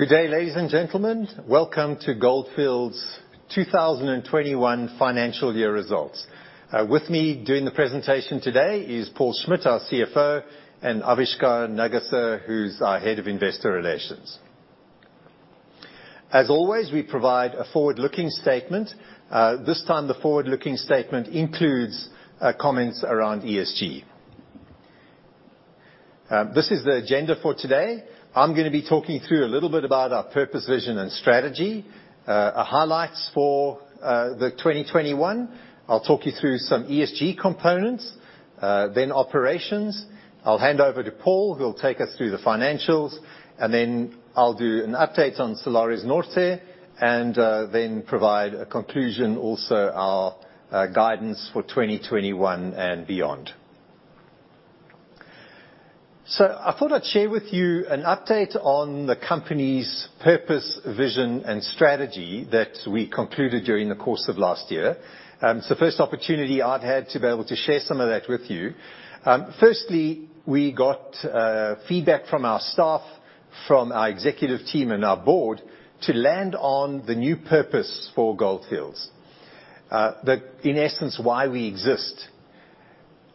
Good day, ladies and gentlemen. Welcome to Gold Fields' 2021 financial year results. With me during the presentation today is Paul Schmidt, our CFO, and Avishkar Nagaser, who's our head of investor relations. As always, we provide a forward-looking statement. This time the forward-looking statement includes comments around ESG. This is the agenda for today. I'm gonna be talking through a little bit about our purpose, vision, and strategy. Highlights for 2021. I'll talk you through some ESG components, then operations. I'll hand over to Paul, who'll take us through the financials, and then I'll do an update on Salares Norte, then provide a conclusion, also our guidance for 2021 and beyond. I thought I'd share with you an update on the company's purpose, vision, and strategy that we concluded during the course of last year. It's the first opportunity I've had to be able to share some of that with you. Firstly, we got feedback from our staff, from our executive team and our board to land on the new purpose for Gold Fields. In essence, why we exist.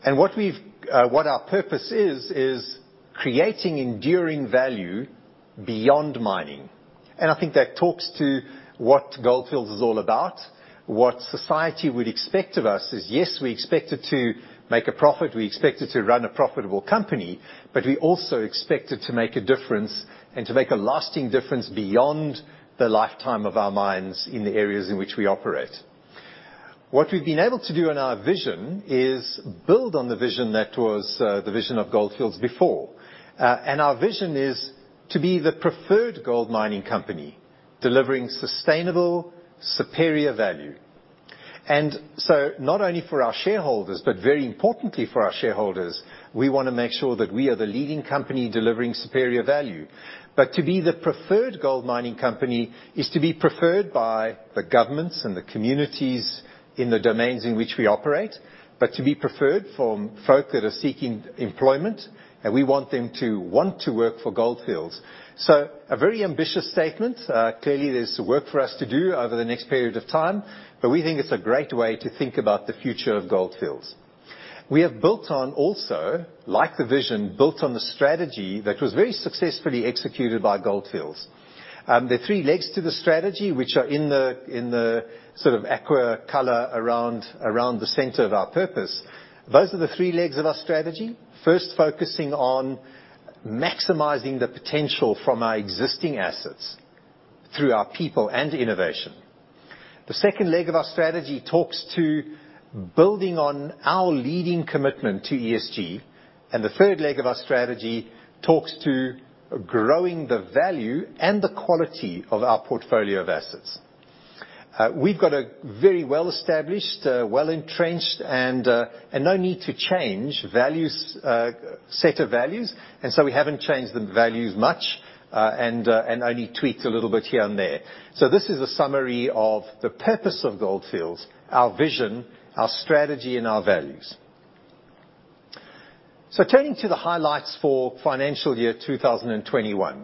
What our purpose is is creating enduring value beyond mining. I think that talks to what Gold Fields is all about. What society would expect of us is, yes, we expect it to make a profit, we expect it to run a profitable company, but we also expect it to make a difference, and to make a lasting difference beyond the lifetime of our mines in the areas in which we operate. What we've been able to do in our vision is build on the vision that was, the vision of Gold Fields before. Our vision is to be the preferred gold mining company, delivering sustainable, superior value. Not only for our shareholders, but very importantly for our shareholders, we wanna make sure that we are the leading company delivering superior value. To be the preferred gold mining company is to be preferred by the governments and the communities in the domains in which we operate, but to be preferred from folk that are seeking employment, and we want them to want to work for Gold Fields. A very ambitious statement. Clearly there's work for us to do over the next period of time, we think it's a great way to think about the future of Gold Fields. We have built on also, like the vision, built on the strategy that was very successfully executed by Gold Fields. The three legs to the strategy, which are in the aqua color around the center of our purpose, those are the three legs of our strategy. First, focusing on maximizing the potential from our existing assets through our people and innovation. The second leg of our strategy talks to building on our leading commitment to ESG, and the third leg of our strategy talks to growing the value and the quality of our portfolio of assets. We've got a very well-established, well-entrenched, and no need to change values set of values, and so we haven't changed the values much, and only tweaked a little bit here and there. This is a summary of the purpose of Gold Fields, our vision, our strategy, and our values. Turning to the highlights for financial year 2021.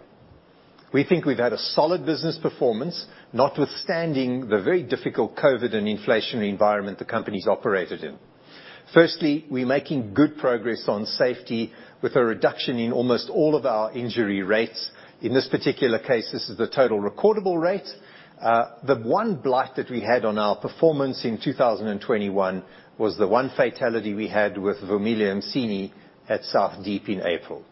We think we've had a solid business performance, notwithstanding the very difficult COVID and inflationary environment the company's operated in. Firstly, we're making good progress on safety with a reduction in almost all of our injury rates. In this particular case, this is the total recordable rate. The one blight that we had on our performance in 2021 was the one fatality we had with Vemilia McIane at South Deep in April.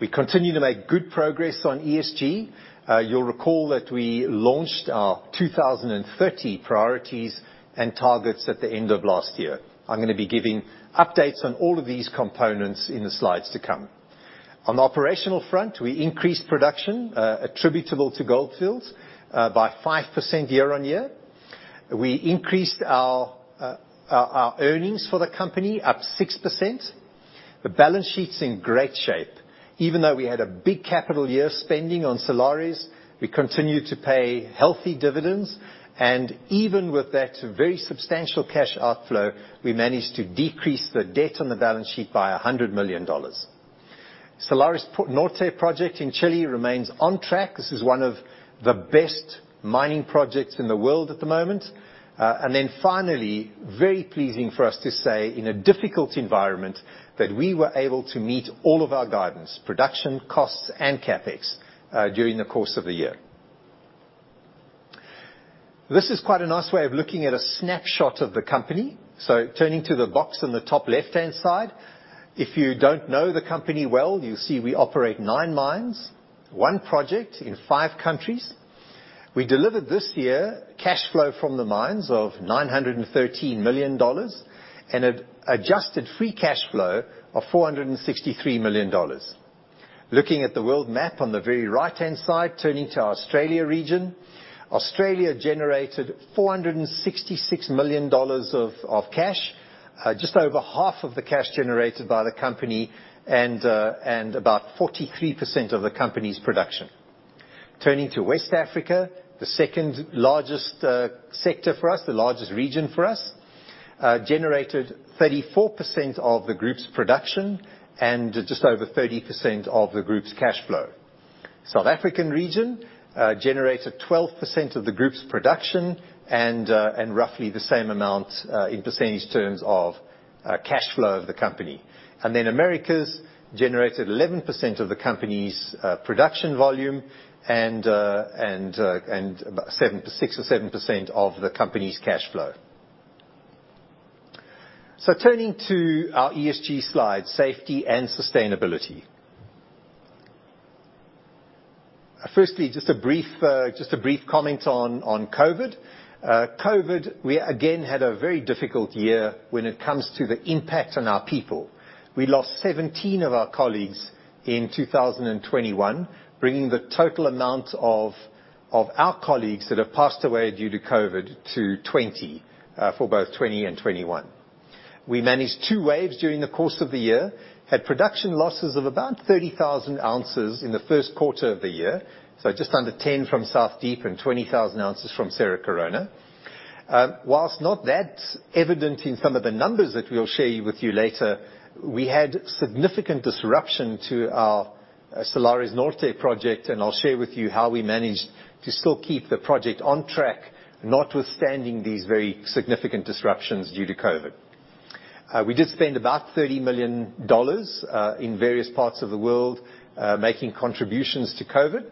We continue to make good progress on ESG. You'll recall that we launched our 2030 priorities and targets at the end of last year. I'm gonna be giving updates on all of these components in the slides to come. On the operational front, we increased production attributable to Gold Fields by 5% year-on-year. We increased our earnings for the company up 6%. The balance sheet's in great shape. Even though we had a big capital year spending on Salares, we continued to pay healthy dividends. Even with that very substantial cash outflow, we managed to decrease the debt on the balance sheet by $100 million. Salares Norte project in Chile remains on track. This is one of the best mining projects in the world at the moment. Finally, very pleasing for us to say, in a difficult environment, that we were able to meet all of our guidance, production, costs, and CapEx during the course of the year. This is quite a nice way of looking at a snapshot of the company. Turning to the box on the top left-hand side, if you don't know the company well, you'll see we operate nine mines, one project in five countries. We delivered this year cash flow from the mines of $913 million and an adjusted free cash flow of $463 million. Looking at the world map on the very right-hand side, turning to our Australia region, Australia generated $466 million of cash, just over half of the cash generated by the company and about 43% of the company's production. Turning to West Africa, the second largest sector for us, the largest region for us, generated 34% of the group's production and just over 30% of the group's cash flow. South African region generated 12% of the group's production and roughly the same amount in percentage terms of cash flow of the company. Americas generated 11% of the company's production volume and about 6% or 7% of the company's cash flow. Turning to our ESG slide, Safety and Sustainability. Firstly, just a brief comment on COVID. COVID, we again had a very difficult year when it comes to the impact on our people. We lost 17 of our colleagues in 2021, bringing the total amount of our colleagues that have passed away due to COVID to 20 for both 2020 and 2021. We managed 2 waves during the course of the year, had production losses of about 30,000 ounces in the Q1 of the year, just under 10 from South Deep and 20,000 ounces from Cerro Corona. While not that evident in some of the numbers that we'll share with you later, we had significant disruption to our Salares Norte project, and I'll share with you how we managed to still keep the project on track, notwithstanding these very significant disruptions due to COVID. We did spend about $30 million in various parts of the world making contributions to COVID.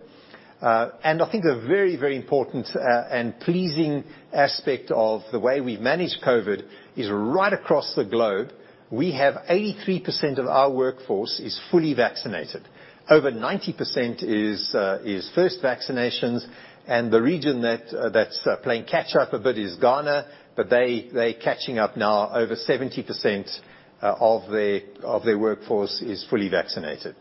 I think a very, very important and pleasing aspect of the way we've managed COVID is right across the globe, we have 83% of our workforce is fully vaccinated. Over 90% is first vaccinations, and the region that's playing catch up a bit is Ghana, and they catching up now. Over 70% of their workforce is fully vaccinated.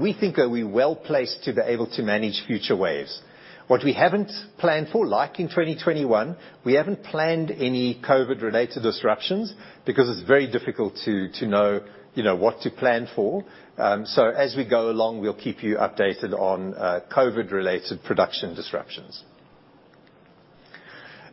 We think that we're well placed to be able to manage future waves. What we haven't planned for, like in 2021, we haven't planned any COVID-related disruptions because it's very difficult to know, you know, what to plan for. As we go along, we'll keep you updated on COVID-related production disruptions.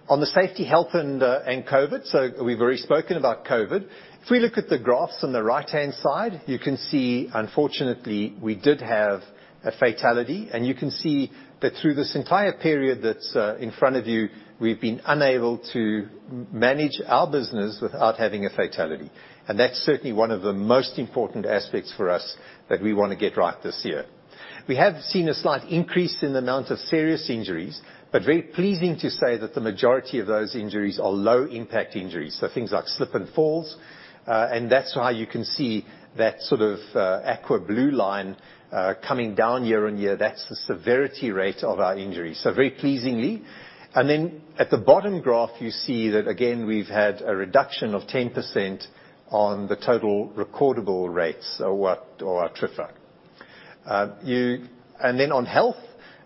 On the safety, health, and COVID. We've already spoken about COVID. If we look at the graphs on the right-hand side, you can see, unfortunately, we did have a fatality, and you can see that through this entire period that's in front of you, we've been unable to manage our business without having a fatality. That's certainly one of the most important aspects for us that we wanna get right this year. We have seen a slight increase in the amount of serious injuries, but very pleasing to say that the majority of those injuries are low-impact injuries, so things like slip and falls. And that's why you can see that aqua blue line coming down year-on-year. That's the severity rate of our injuries. So very pleasingly. Then at the bottom graph, you see that again, we've had a reduction of 10% on the total recordable rates or our TRIFR. Then on health,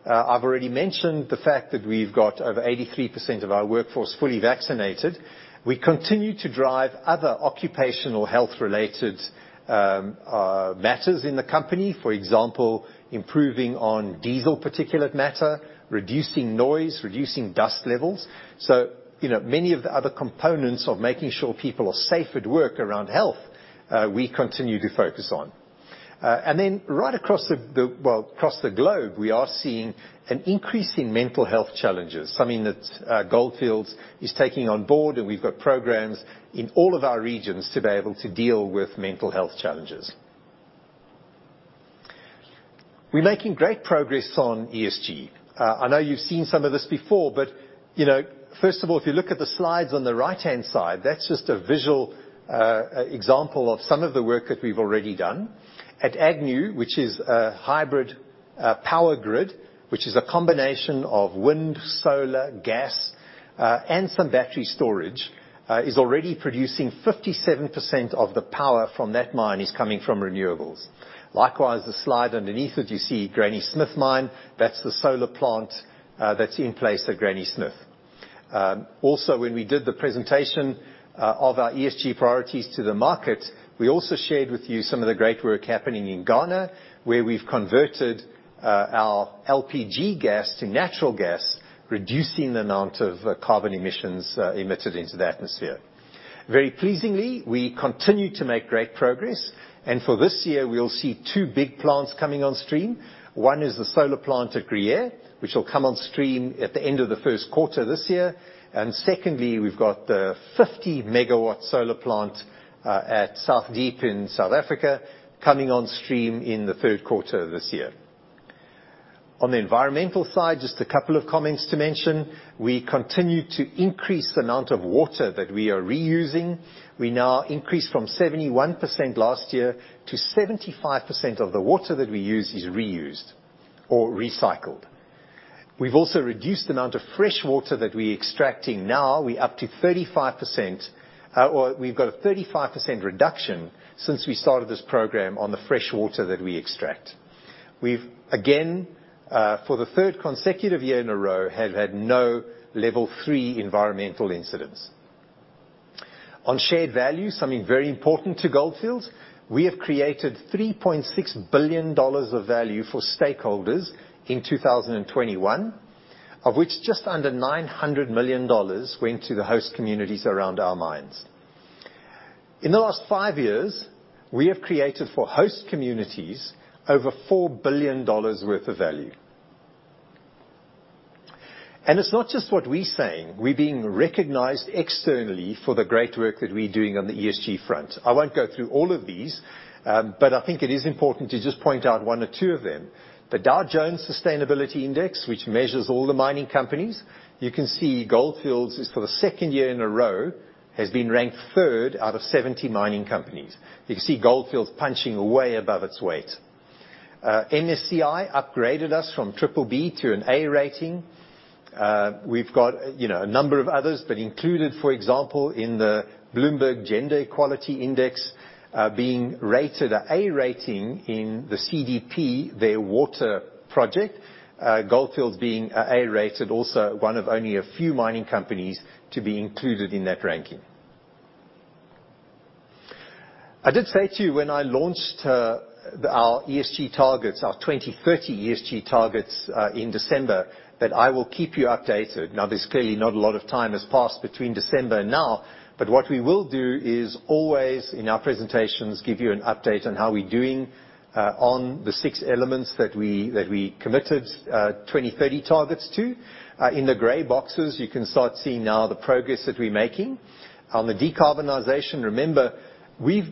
I've already mentioned the fact that we've got over 83% of our workforce fully vaccinated. We continue to drive other occupational health-related matters in the company. For example, improving on diesel particulate matter, reducing noise, reducing dust levels. You know, many of the other components of making sure people are safe at work around health, we continue to focus on. Right across the well across the globe, we are seeing an increase in mental health challenges. Something that Gold Fields is taking on board, and we've got programs in all of our regions to be able to deal with mental health challenges. We're making great progress on ESG. I know you've seen some of this before, but you know, first of all, if you look at the slides on the right-hand side, that's just a visual example of some of the work that we've already done. At Agnew, which is a hybrid power grid, which is a combination of wind, solar, gas, and some battery storage, is already producing 57% of the power from that mine is coming from renewables. Likewise, the slide underneath it, you see Granny Smith mine. That's the solar plant that's in place at Granny Smith. Also when we did the presentation of our ESG priorities to the market, we also shared with you some of the great work happening in Ghana, where we've converted our LPG gas to natural gas, reducing the amount of carbon emissions emitted into the atmosphere. Very pleasingly, we continue to make great progress, and for this year we'll see two big plants coming on stream. One is the solar plant at Gruyere, which will come on stream at the end of the Q1 this year. Secondly, we've got a 50 MW solar plant at South Deep in South Africa coming on stream in the Q3 this year. On the environmental side, just a couple of comments to mention. We continue to increase the amount of water that we are reusing. We now increase from 71% last year to 75% of the water that we use is reused or recycled. We've also reduced the amount of fresh water that we're extracting. Now we're up to 35%. Or we've got a 35% reduction since we started this program on the fresh water that we extract. We've, again, for the third consecutive year in a row, have had no Level 3 environmental incidents. On shared value, something very important to Gold Fields, we have created $3.6 billion of value for stakeholders in 2021, of which just under $900 million went to the host communities around our mines. In the last five years, we have created for host communities over $4 billion worth of value. It's not just what we're saying, we're being recognized externally for the great work that we're doing on the ESG front. I won't go through all of these, but I think it is important to just point out one or two of them. The Dow Jones Sustainability Index, which measures all the mining companies, you can see Gold Fields is for the second year in a row, has been ranked third out of 70 mining companies. You can see Gold Fields punching way above its weight. MSCI upgraded us from triple B to an A rating. We've got, you know, a number of others that included, for example, in the Bloomberg Gender-Equality Index, being rated an A rating in the CDP, their water project, Gold Fields being A-rated also one of only a few mining companies to be included in that ranking. I did say to you when I launched our ESG targets, our 2030 ESG targets, in December, that I will keep you updated. Now, there's clearly not a lot of time has passed between December and now, but what we will do is always in our presentations, give you an update on how we're doing on the six elements that we committed 2030 targets to. In the gray boxes, you can start seeing now the progress that we're making. On the decarbonization, remember,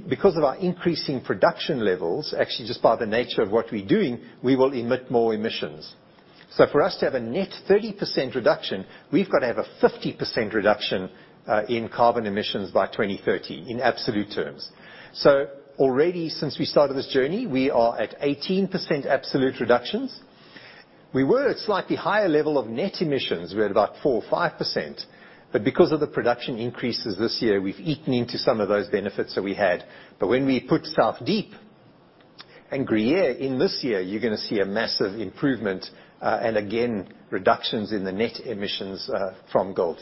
because of our increasing production levels, actually just by the nature of what we're doing, we will emit more emissions. For us to have a net 30% reduction, we've got to have a 50% reduction in carbon emissions by 2030 in absolute terms. Already since we started this journey, we are at 18% absolute reductions. We were at slightly higher level of net emissions. We're at about 4 or 5%, but because of the production increases this year, we've eaten into some of those benefits that we had. When we put South Deep and Gruyere in this year, you're gonna see a massive improvement, and again, reductions in the net emissions from Gold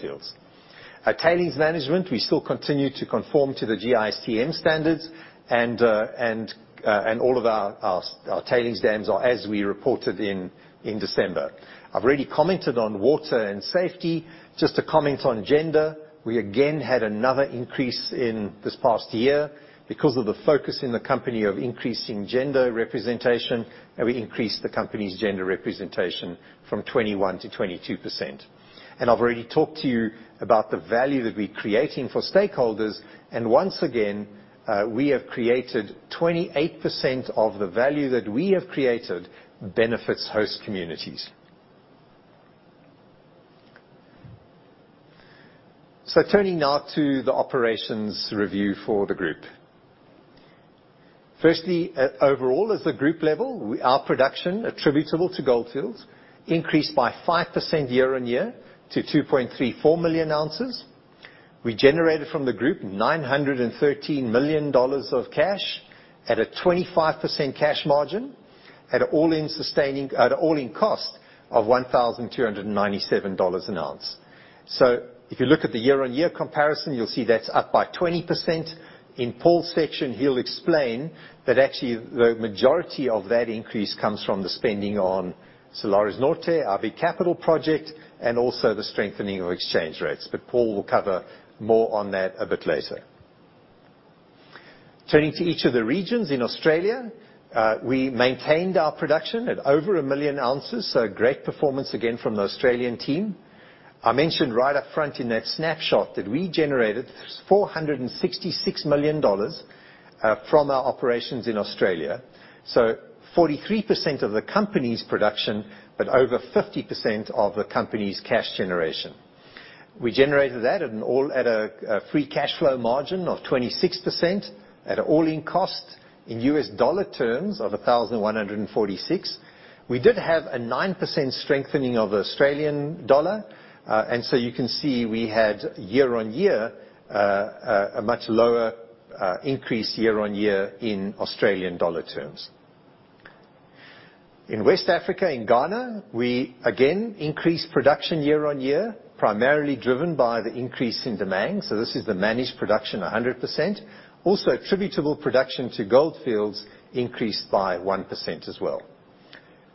Fields. Our tailings management, we still continue to conform to the GISTM standards and all of our tailings dams are as we reported in December. I've already commented on water and safety. Just to comment on gender, we again had another increase in this past year because of the focus in the company of increasing gender representation, and we increased the company's gender representation from 21% to 22%. I've already talked to you about the value that we're creating for stakeholders. Once again, we have created 28% of the value that benefits host communities. Turning now to the operations review for the group. Firstly, overall, as a group level, our production attributable to Gold Fields increased by 5% year-on-year to 2.34 million ounces. We generated from the group $913 million of cash at a 25% cash margin at an all-in sustaining cost of $1,297 an ounce. If you look at the year-on-year comparison, you'll see that's up by 20%. In Paul's section, he'll explain that actually the majority of that increase comes from the spending on Salares Norte, our big capital project, and also the strengthening of exchange rates. Paul will cover more on that a bit later. Turning to each of the regions in Australia, we maintained our production at over 1 million ounces, so great performance again from the Australian team. I mentioned right up front in that snapshot that we generated $466 million from our operations in Australia. 43% of the company's production, but over 50% of the company's cash generation. We generated that at a free cash flow margin of 26% at an all-in cost in U.S. dollar terms of $1,146. We did have a 9% strengthening of the Australian dollar, and so you can see we had year-on-year a much lower increase year-on-year in Australian dollar terms. In West Africa, in Ghana, we again increased production year-on-year, primarily driven by the increase in demand. This is the managed production, 100%. Attributable production to Gold Fields increased by 1% as well.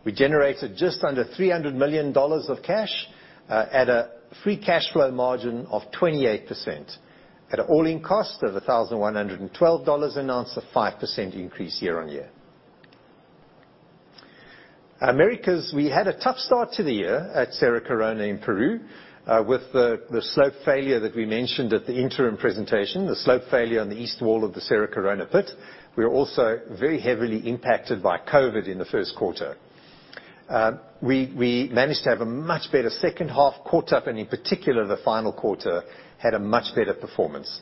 We generated just under $300 million of cash at a free cash flow margin of 28% at an all-in cost of $1,112 an ounce, a 5% increase year-on-year. In the Americas, we had a tough start to the year at Cerro Corona in Peru with the slope failure that we mentioned at the interim presentation, the slope failure on the east wall of the Cerro Corona pit. We were also very heavily impacted by COVID in the Q1. We managed to have a much better second half caught up, and in particular, the final quarter had a much better performance.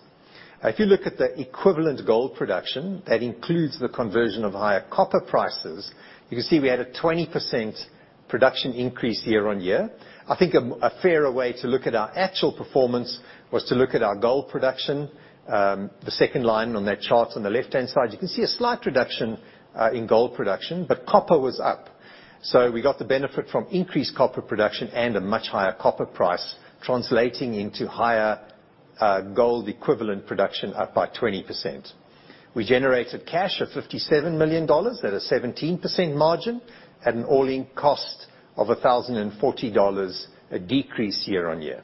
If you look at the equivalent gold production, that includes the conversion of higher copper prices. You can see we had a 20% production increase year-on-year. I think a fairer way to look at our actual performance was to look at our gold production. The second line on that chart on the left-hand side, you can see a slight reduction in gold production, but copper was up. We got the benefit from increased copper production and a much higher copper price translating into higher gold equivalent production up by 20%. We generated cash of $57 million at a 17% margin at an all-in cost of $1,040, a decrease year-on-year.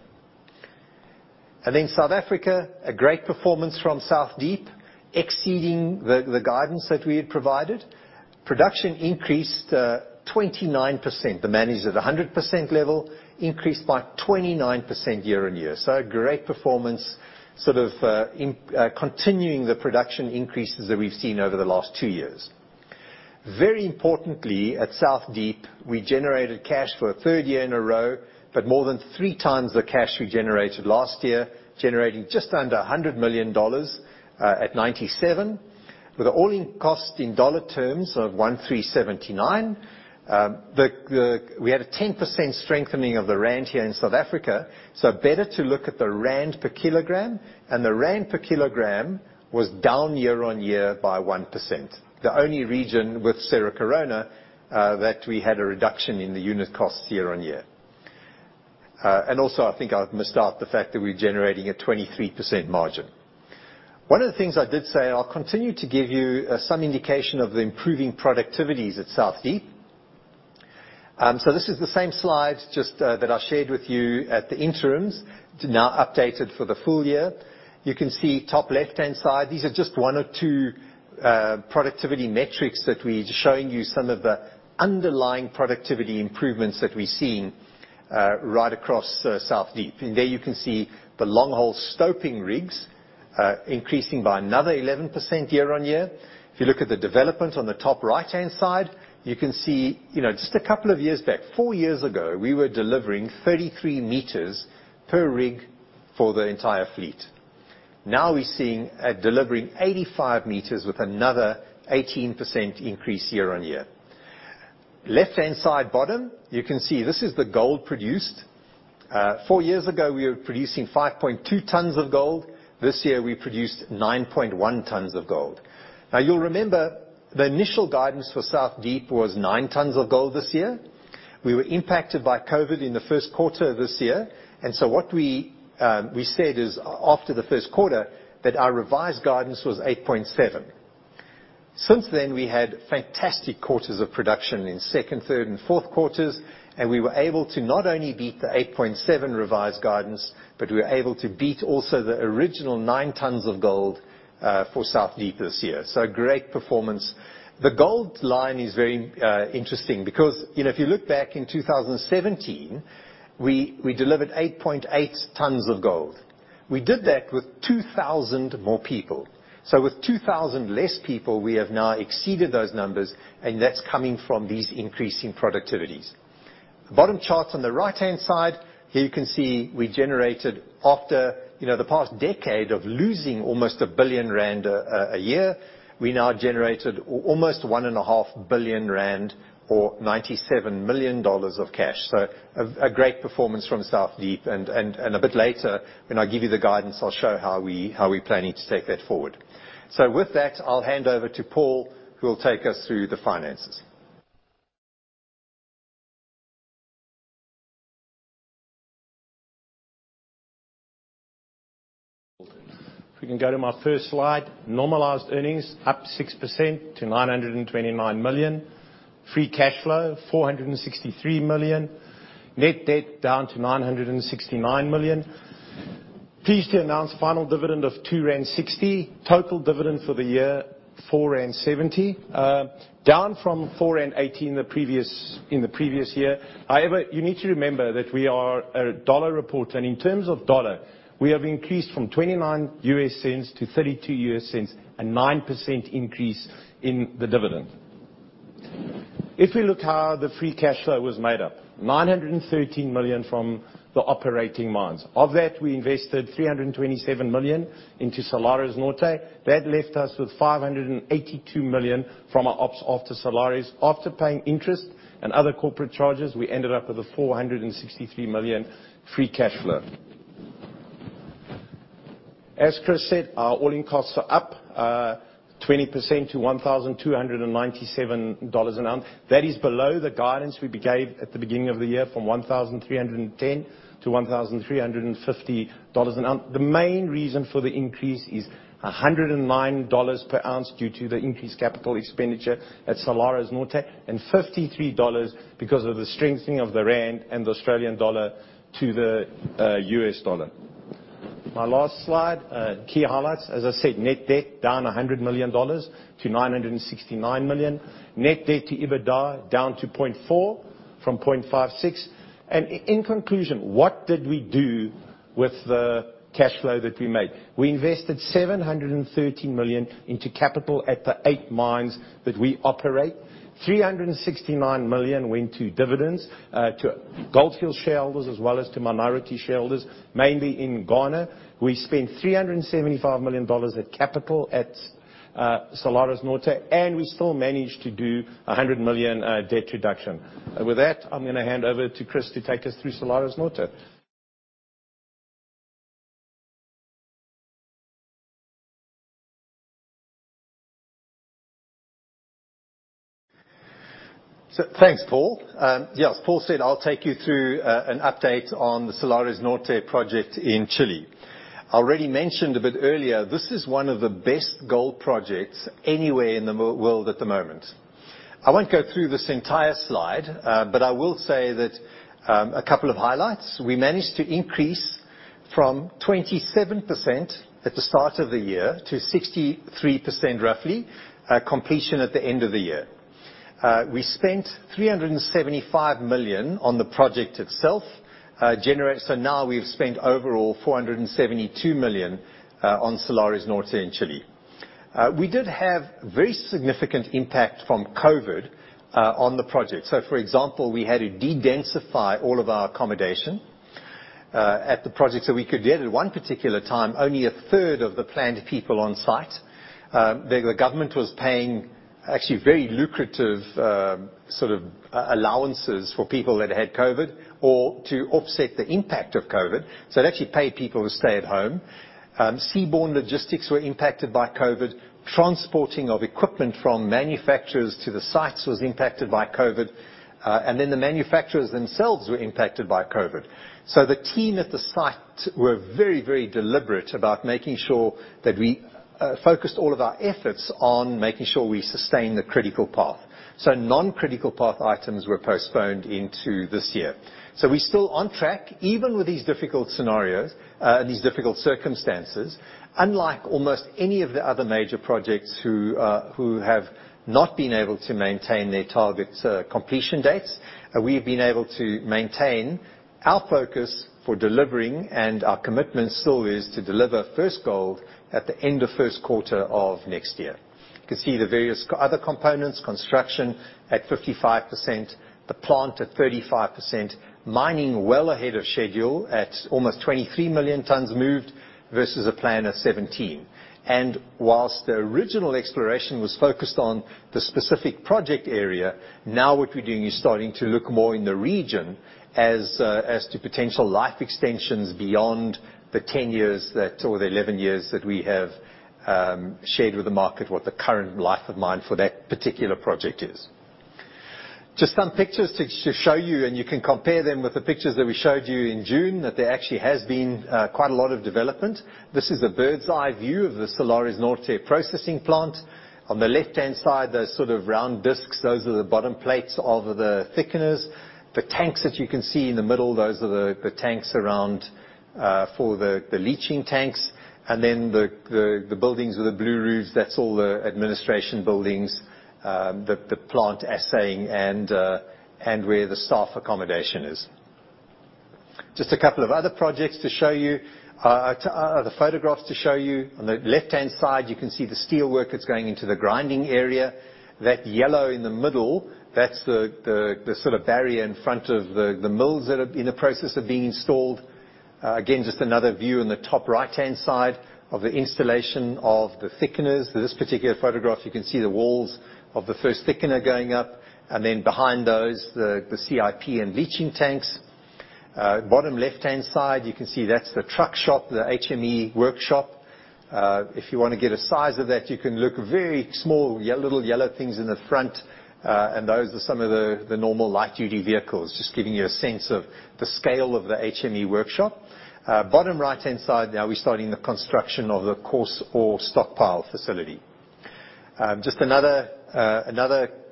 In South Africa, a great performance from South Deep, exceeding the guidance that we had provided. Production increased 29%. The managed at a 100% level increased by 29% year-on-year. Great performance in continuing the production increases that we've seen over the last 2 years. Very importantly, at South Deep, we generated cash for a third year in a row, but more than 3 times the cash we generated last year, generating just under $100 million at $97, with all-in cost in dollar terms of $1,379. We had a 10% strengthening of the rand here in South Africa, so better to look at the rand per kilogram, and the rand per kilogram was down year-on-year by 1%. The only region with Cerro Corona that we had a reduction in the unit cost year-on-year. I think I've missed out the fact that we're generating a 23% margin. One of the things I did say, I'll continue to give you some indication of the improving productivities at South Deep. This is the same slide just that I shared with you at the interims. It's now updated for the full year. You can see, top left-hand side, these are just one or two productivity metrics that we're showing you some of the underlying productivity improvements that we've seen right across South Deep. There you can see the long-hole stoping rigs increasing by another 11% year-on-year. If you look at the development on the top right-hand side, you can see, you know, just a couple of years back, 4 years ago, we were delivering 33 meters per rig for the entire fleet. Now, we're seeing delivering 85 meters with another 18% increase year-on-year. Left-hand side, bottom, you can see this is the gold produced. Four years ago, we were producing 5.2 tons of gold. This year, we produced 9.1 tons of gold. Now, you'll remember the initial guidance for South Deep was 9 tons of gold this year. We were impacted by COVID in the Q1 of this year, and so what we said is, after the Q1, that our revised guidance was 8.7. Since then, we had fantastic quarters of production in second, third, and Q4s, and we were able to not only beat the 8.7 revised guidance, but we were able to beat also the original 9 tons of gold for South Deep this year. Great performance. The gold line is very interesting because, you know, if you look back in 2017, we delivered 8.8 tons of gold. We did that with 2,000 more people. With 2,000 less people, we have now exceeded those numbers, and that's coming from these increasing productivities. The bottom chart on the right-hand side, here you can see we generated after the past decade of losing almost 1 billion rand a year, we now generated almost 1.5 billion rand or $97 million of cash. A great performance from South Deep, and a bit later, when I give you the guidance, I'll show how we're planning to take that forward. With that, I'll hand over to Paul, who will take us through the finances. If we can go to my first slide. Normalized earnings up 6% to $929 million. Free cash flow, $463 million. Net debt down to $969 million. Pleased to announce final dividend of 2.60 rand. Total dividend for the year, 4.70 rand. Down from 4.80 rand in the previous year. However, you need to remember that we are a dollar reporter, and in terms of dollar, we have increased from $0.29 to $0.32, a 9% increase in the dividend. If we look how the free cash flow was made up, $913 million from the operating mines. Of that, we invested $327 million into Salares Norte. That left us with $582 million from our ops after Salares. After paying interest and other corporate charges, we ended up with $463 million free cash flow. As Chris said, our all-in costs are up 20% to $1,297 an ounce. That is below the guidance we gave at the beginning of the year from $1,310-$1,350 an ounce. The main reason for the increase is $109 per ounce due to the increased capital expenditure at Salares Norte and $53 because of the strengthening of the rand and the Australian dollar to the US dollar. My last slide, key highlights. As I said, net debt down $100 million to $969 million. Net debt to EBITDA down to 0.4 from 0.56. In conclusion, what did we do with the cash flow that we made? We invested $730 million into capital at the eight mines that we operate. $369 million went to dividends to Gold Fields shareholders as well as to minority shareholders, mainly in Ghana. We spent $375 million at capital at Salares Norte, and we still managed to do $100 million debt reduction. With that, I'm gonna hand over to Chris to take us through Salares Norte. Thanks, Paul. Yes, Paul said I'll take you through an update on the Salares Norte project in Chile. I already mentioned a bit earlier, this is one of the best gold projects anywhere in the world at the moment. I won't go through this entire slide, but I will say that a couple of highlights, we managed to increase from 27% at the start of the year to 63%, roughly, completion at the end of the year. We spent $375 million on the project itself. Now we've spent overall $472 million on Salares Norte in Chile. We did have very significant impact from COVID on the project. For example, we had to de-densify all of our accommodation at the project so we could get at one particular time, only a third of the planned people on site. The government was paying actually very lucrative allowances for people that had COVID or to offset the impact of COVID. They'd actually pay people to stay at home. Seaborne logistics were impacted by COVID. Transporting of equipment from manufacturers to the sites was impacted by COVID. The manufacturers themselves were impacted by COVID. The team at the site were very, very deliberate about making sure that we focused all of our efforts on making sure we sustain the critical path. Non-critical path items were postponed into this year. We're still on track, even with these difficult scenarios and these difficult circumstances. Unlike almost any of the other major projects who have not been able to maintain their targets, completion dates, we've been able to maintain our focus for delivering and our commitment still is to deliver first gold at the end of Q1 of next year. You can see the various other components, construction at 55%, the plant at 35%, mining well ahead of schedule at almost 23 million tons moved versus a plan of 17. Whilst the original exploration was focused on the specific project area, now what we're doing is starting to look more in the region as to potential life extensions beyond the 11 years that we have shared with the market, what the current life of mine for that particular project is. Just some pictures to show you, and you can compare them with the pictures that we showed you in June, that there actually has been quite a lot of development. This is a bird's-eye view of the Salares Norte processing plant. On the left-hand side, those round discs, those are the bottom plates of the thickeners. The tanks that you can see in the middle, those are the tanks around for the leaching tanks. And then the buildings with the blue roofs, that's all the administration buildings, the plant assaying and where the staff accommodation is. Just a couple of other projects to show you. The photographs to show you. On the left-hand side, you can see the steelwork that's going into the grinding area. That yellow in the middle, that's the barrier in front of the mills that are in the process of being installed. Again, just another view in the top right-hand side of the installation of the thickeners. This particular photograph, you can see the walls of the first thickener going up. Behind those, the CIP and leaching tanks. Bottom left-hand side, you can see that's the truck shop, the HME workshop. If you wanna get a size of that, you can look very small yellow little yellow things in the front. Those are some of the normal light duty vehicles. Just giving you a sense of the scale of the HME workshop. Bottom right-hand side, now we're starting the construction of the coarse ore stockpile facility. Just another...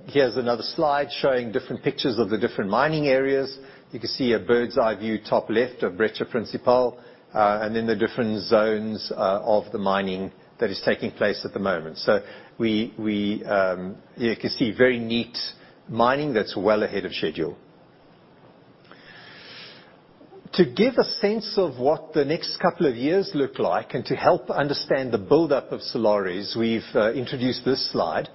Here's another slide showing different pictures of the different mining areas. You can see a bird's-eye view, top left of Brecha Principal, and then the different zones, of the mining that is taking place at the moment. You can see very neat mining that's well ahead of schedule. To give a sense of what the next couple of years look like and to help understand the buildup of Solaris, we've introduced this slide.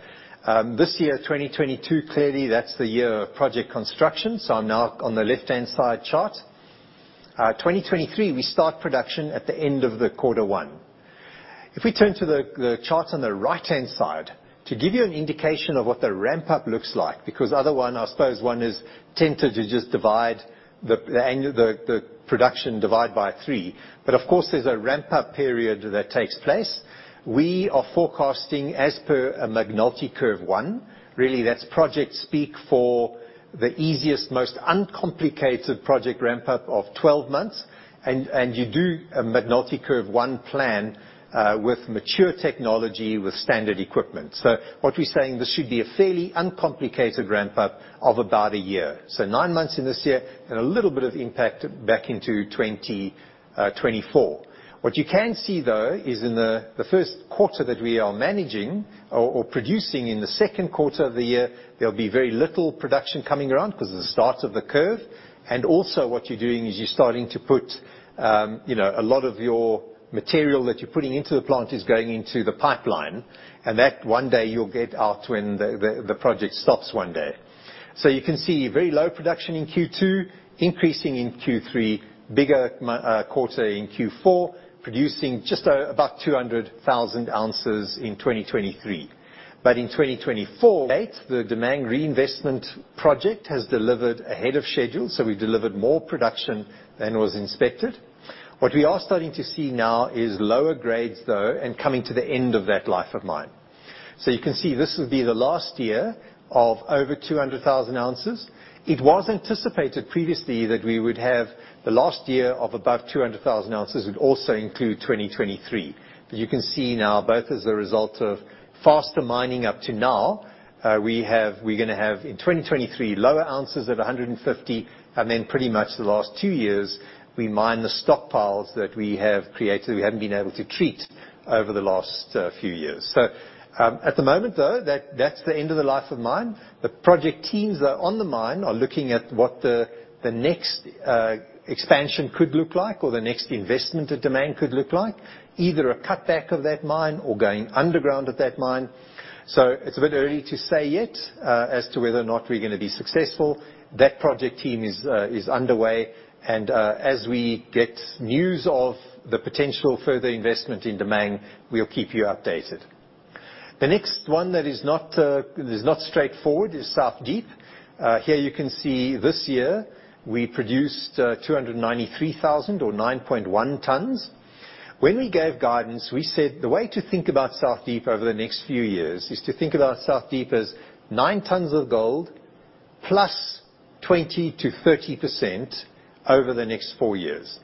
This year, 2022, clearly, that's the year of project construction. Now on the left-hand side chart. 2023, we start production at the end of quarter one. If we turn to the chart on the right-hand side, to give you an indication of what the ramp-up looks like, because on the other one, I suppose one is tempted to just divide the production by 3. Of course, there's a ramp-up period that takes place. We are forecasting as per a McNulty Curve one. Really, that's project speak for the easiest, most uncomplicated project ramp-up of 12 months. You do a McNulty Curve one plan with mature technology, with standard equipment. What we're saying, this should be a fairly uncomplicated ramp-up of about a year. 9 months in this year and a little bit of impact back into 2024. What you can see, though, is in the Q1 that we are managing or producing in the Q2 of the year, there'll be very little production coming around 'cause of the start of the curve. Also what you're doing is you're starting to put, you know, a lot of your material that you're putting into the plant is going into the pipeline. That one day you'll get out when the project stops one day. You can see very low production in Q2, increasing in Q3, bigger quarter in Q4, producing just about 200,000 ounces in 2023. In 2024, the Damang Reinvestment Project has delivered ahead of schedule, so we delivered more production than was expected. What we are starting to see now is lower grades, though, and coming to the end of that life of mine. You can see this will be the last year of over 200,000 ounces. It was anticipated previously that we would have the last year of above 200,000 ounces would also include 2023. You can see now both as a result of faster mining up to now, we're gonna have in 2023 lower ounces of 150, and then pretty much the last two years, we mine the stockpiles that we have created, we haven't been able to treat over the last few years. At the moment, though, that's the end of the life of mine. The project teams that are on the mine are looking at what the next expansion could look like or the next investment at Damang could look like, either a cutback of that mine or going underground at that mine. It's a bit early to say yet as to whether or not we're gonna be successful. That project team is underway, and as we get news of the potential further investment in Damang, we'll keep you updated. The next one that is not straightforward is South Deep. Here you can see this year we produced 293 or 9.1 tons. When we gave guidance, we said the way to think about South Deep over the next few years is to think about South Deep as 9 tons of gold plus 20%-30% over the next four years.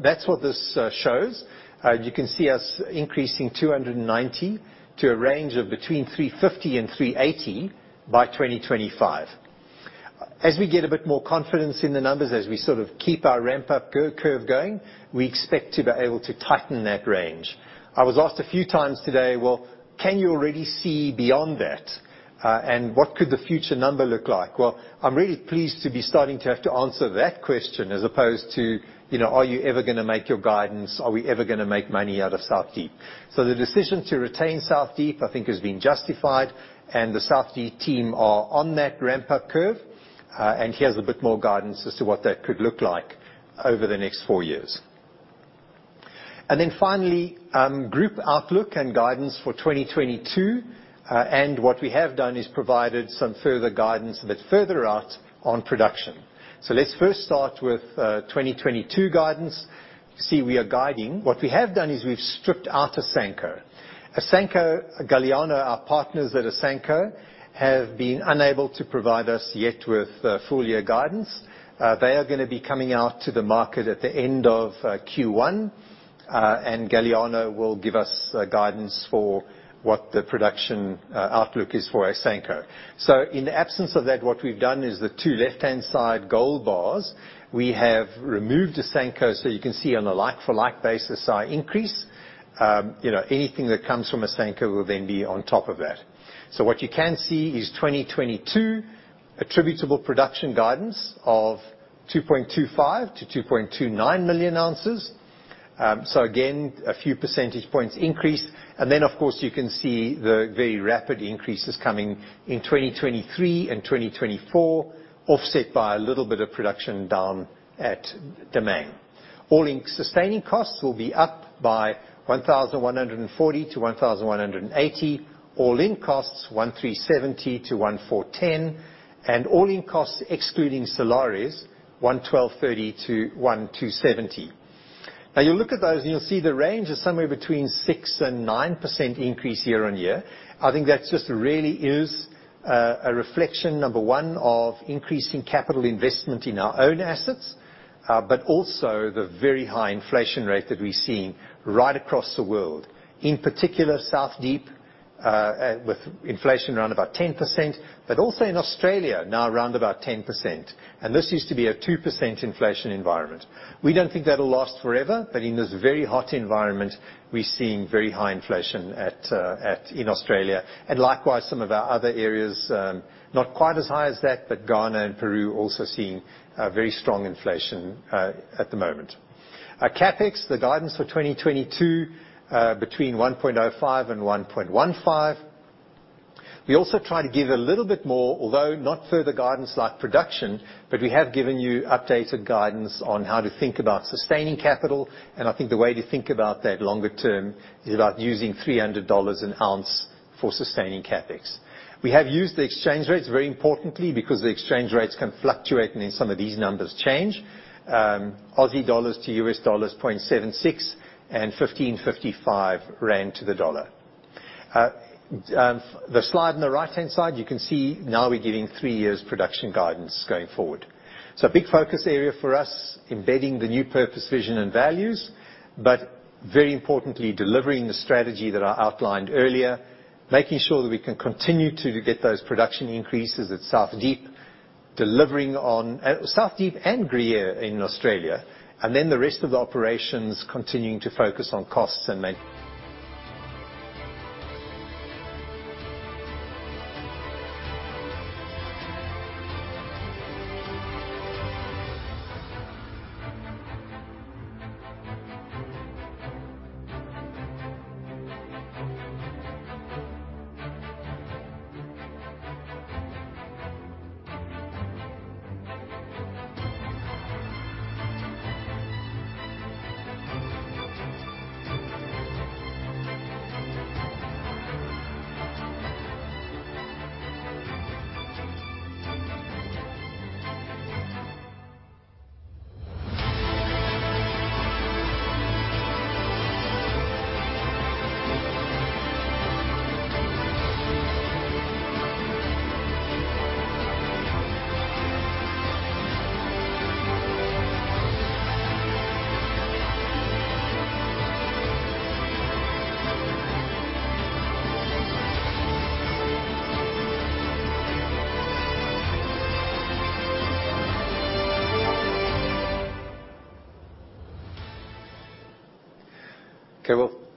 That's what this shows. You can see us increasing 290 to a range of between 350 and 380 by 2025. As we get a bit more confidence in the numbers, as we keep our ramp-up curve going, we expect to be able to tighten that range. I was asked a few times today, "Well, can you already see beyond that, and what could the future number look like?" Well, I'm really pleased to be starting to have to answer that question as opposed to, you know, are you ever gonna make your guidance? Are we ever gonna make money out of South Deep? The decision to retain South Deep, I think, has been justified, and the South Deep team are on that ramp-up curve. Here's a bit more guidance as to what that could look like over the next four years. Group outlook and guidance for 2022. What we have done is provided some further guidance a bit further out on production. Let's first start with 2022 guidance. See, we are guiding. What we have done is we've stripped out Asanko. Asanko. Galiano, our partners at Asanko, have been unable to provide us yet with full year guidance. They are gonna be coming out to the market at the end of Q1, and Galiano will give us guidance for what the production outlook is for Asanko. In the absence of that, what we've done is the two left-hand side gold bars, we have removed Asanko. You can see on a like for like basis, our increase. You know, anything that comes from Asanko will then be on top of that. What you can see is 2022 attributable production guidance of 2.25-2.29 million ounces. Again, a few percentage points increase. Then, of course, you can see the very rapid increases coming in 2023 and 2024, offset by a little bit of production down at Damang. All-in sustaining costs will be up by $1,140-$1,180. All-in costs, $1,370-$1,410. All-in costs excluding Salares, $1,230-$1,270. Now you look at those and you'll see the range is somewhere between 6% and 9% increase year-on-year. I think that just really is a reflection, number one, of increasing capital investment in our own assets, but also the very high inflation rate that we're seeing right across the world, in particular, South Deep, with inflation around about 10%, but also in Australia, now around about 10%. This used to be a 2% inflation environment. We don't think that'll last forever, but in this very hot environment, we're seeing very high inflation in Australia. Likewise, some of our other areas, not quite as high as that, but Ghana and Peru also seeing very strong inflation at the moment. Our CapEx, the guidance for 2022, between $1.05 billion-$1.15 billion. We also try to give a little bit more, although not further guidance like production, but we have given you updated guidance on how to think about sustaining capital, and I think the way to think about that longer term is about using $300 an ounce for sustaining CapEx. We have used the exchange rates very importantly because the exchange rates can fluctuate, and then some of these numbers change. Aussie dollars to US dollars, 0.76, and 15.55 rand to the dollar. The slide on the right-hand side, you can see now we're giving 3-year production guidance going forward. A big focus area for us, embedding the new purpose, vision, and values, but very importantly, delivering the strategy that I outlined earlier, making sure that we can continue to get those production increases at South Deep and Gruyere in Australia. The rest of the operations continuing to focus on costs. Okay. Well,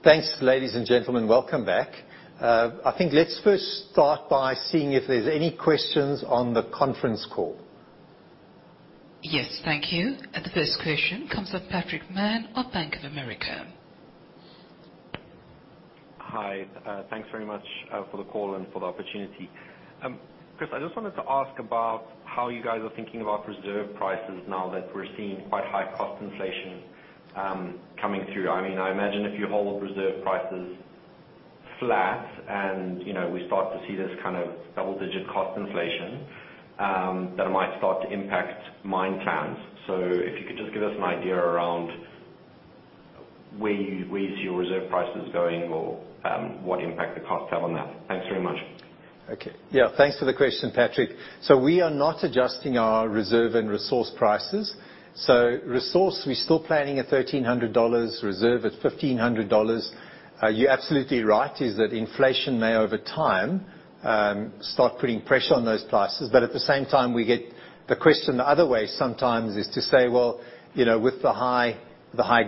thanks, ladies and gentlemen. Welcome back. I think let's first start by seeing if there's any questions on the conference call. Yes. Thank you. The first question comes from Patrick Mann of Bank of America. Hi. Thanks very much for the call and for the opportunity. Chris, I just wanted to ask about how you guys are thinking about reserve prices now that we're seeing quite high cost inflation coming through. I mean, I imagine if you hold reserve prices flat and, you know, we start to see this double-digit cost inflation that it might start to impact mine plans. If you could just give us an idea around where you see your reserve prices going or what impact the costs have on that. Thanks very much. Okay. Yeah, thanks for the question, Patrick. We are not adjusting our reserve and resource prices. Resource, we're still planning at $1,300, reserve at $1,500. You're absolutely right in that inflation may over time start putting pressure on those prices, but at the same time, we get the question the other way sometimes to say, "Well, you know, with the high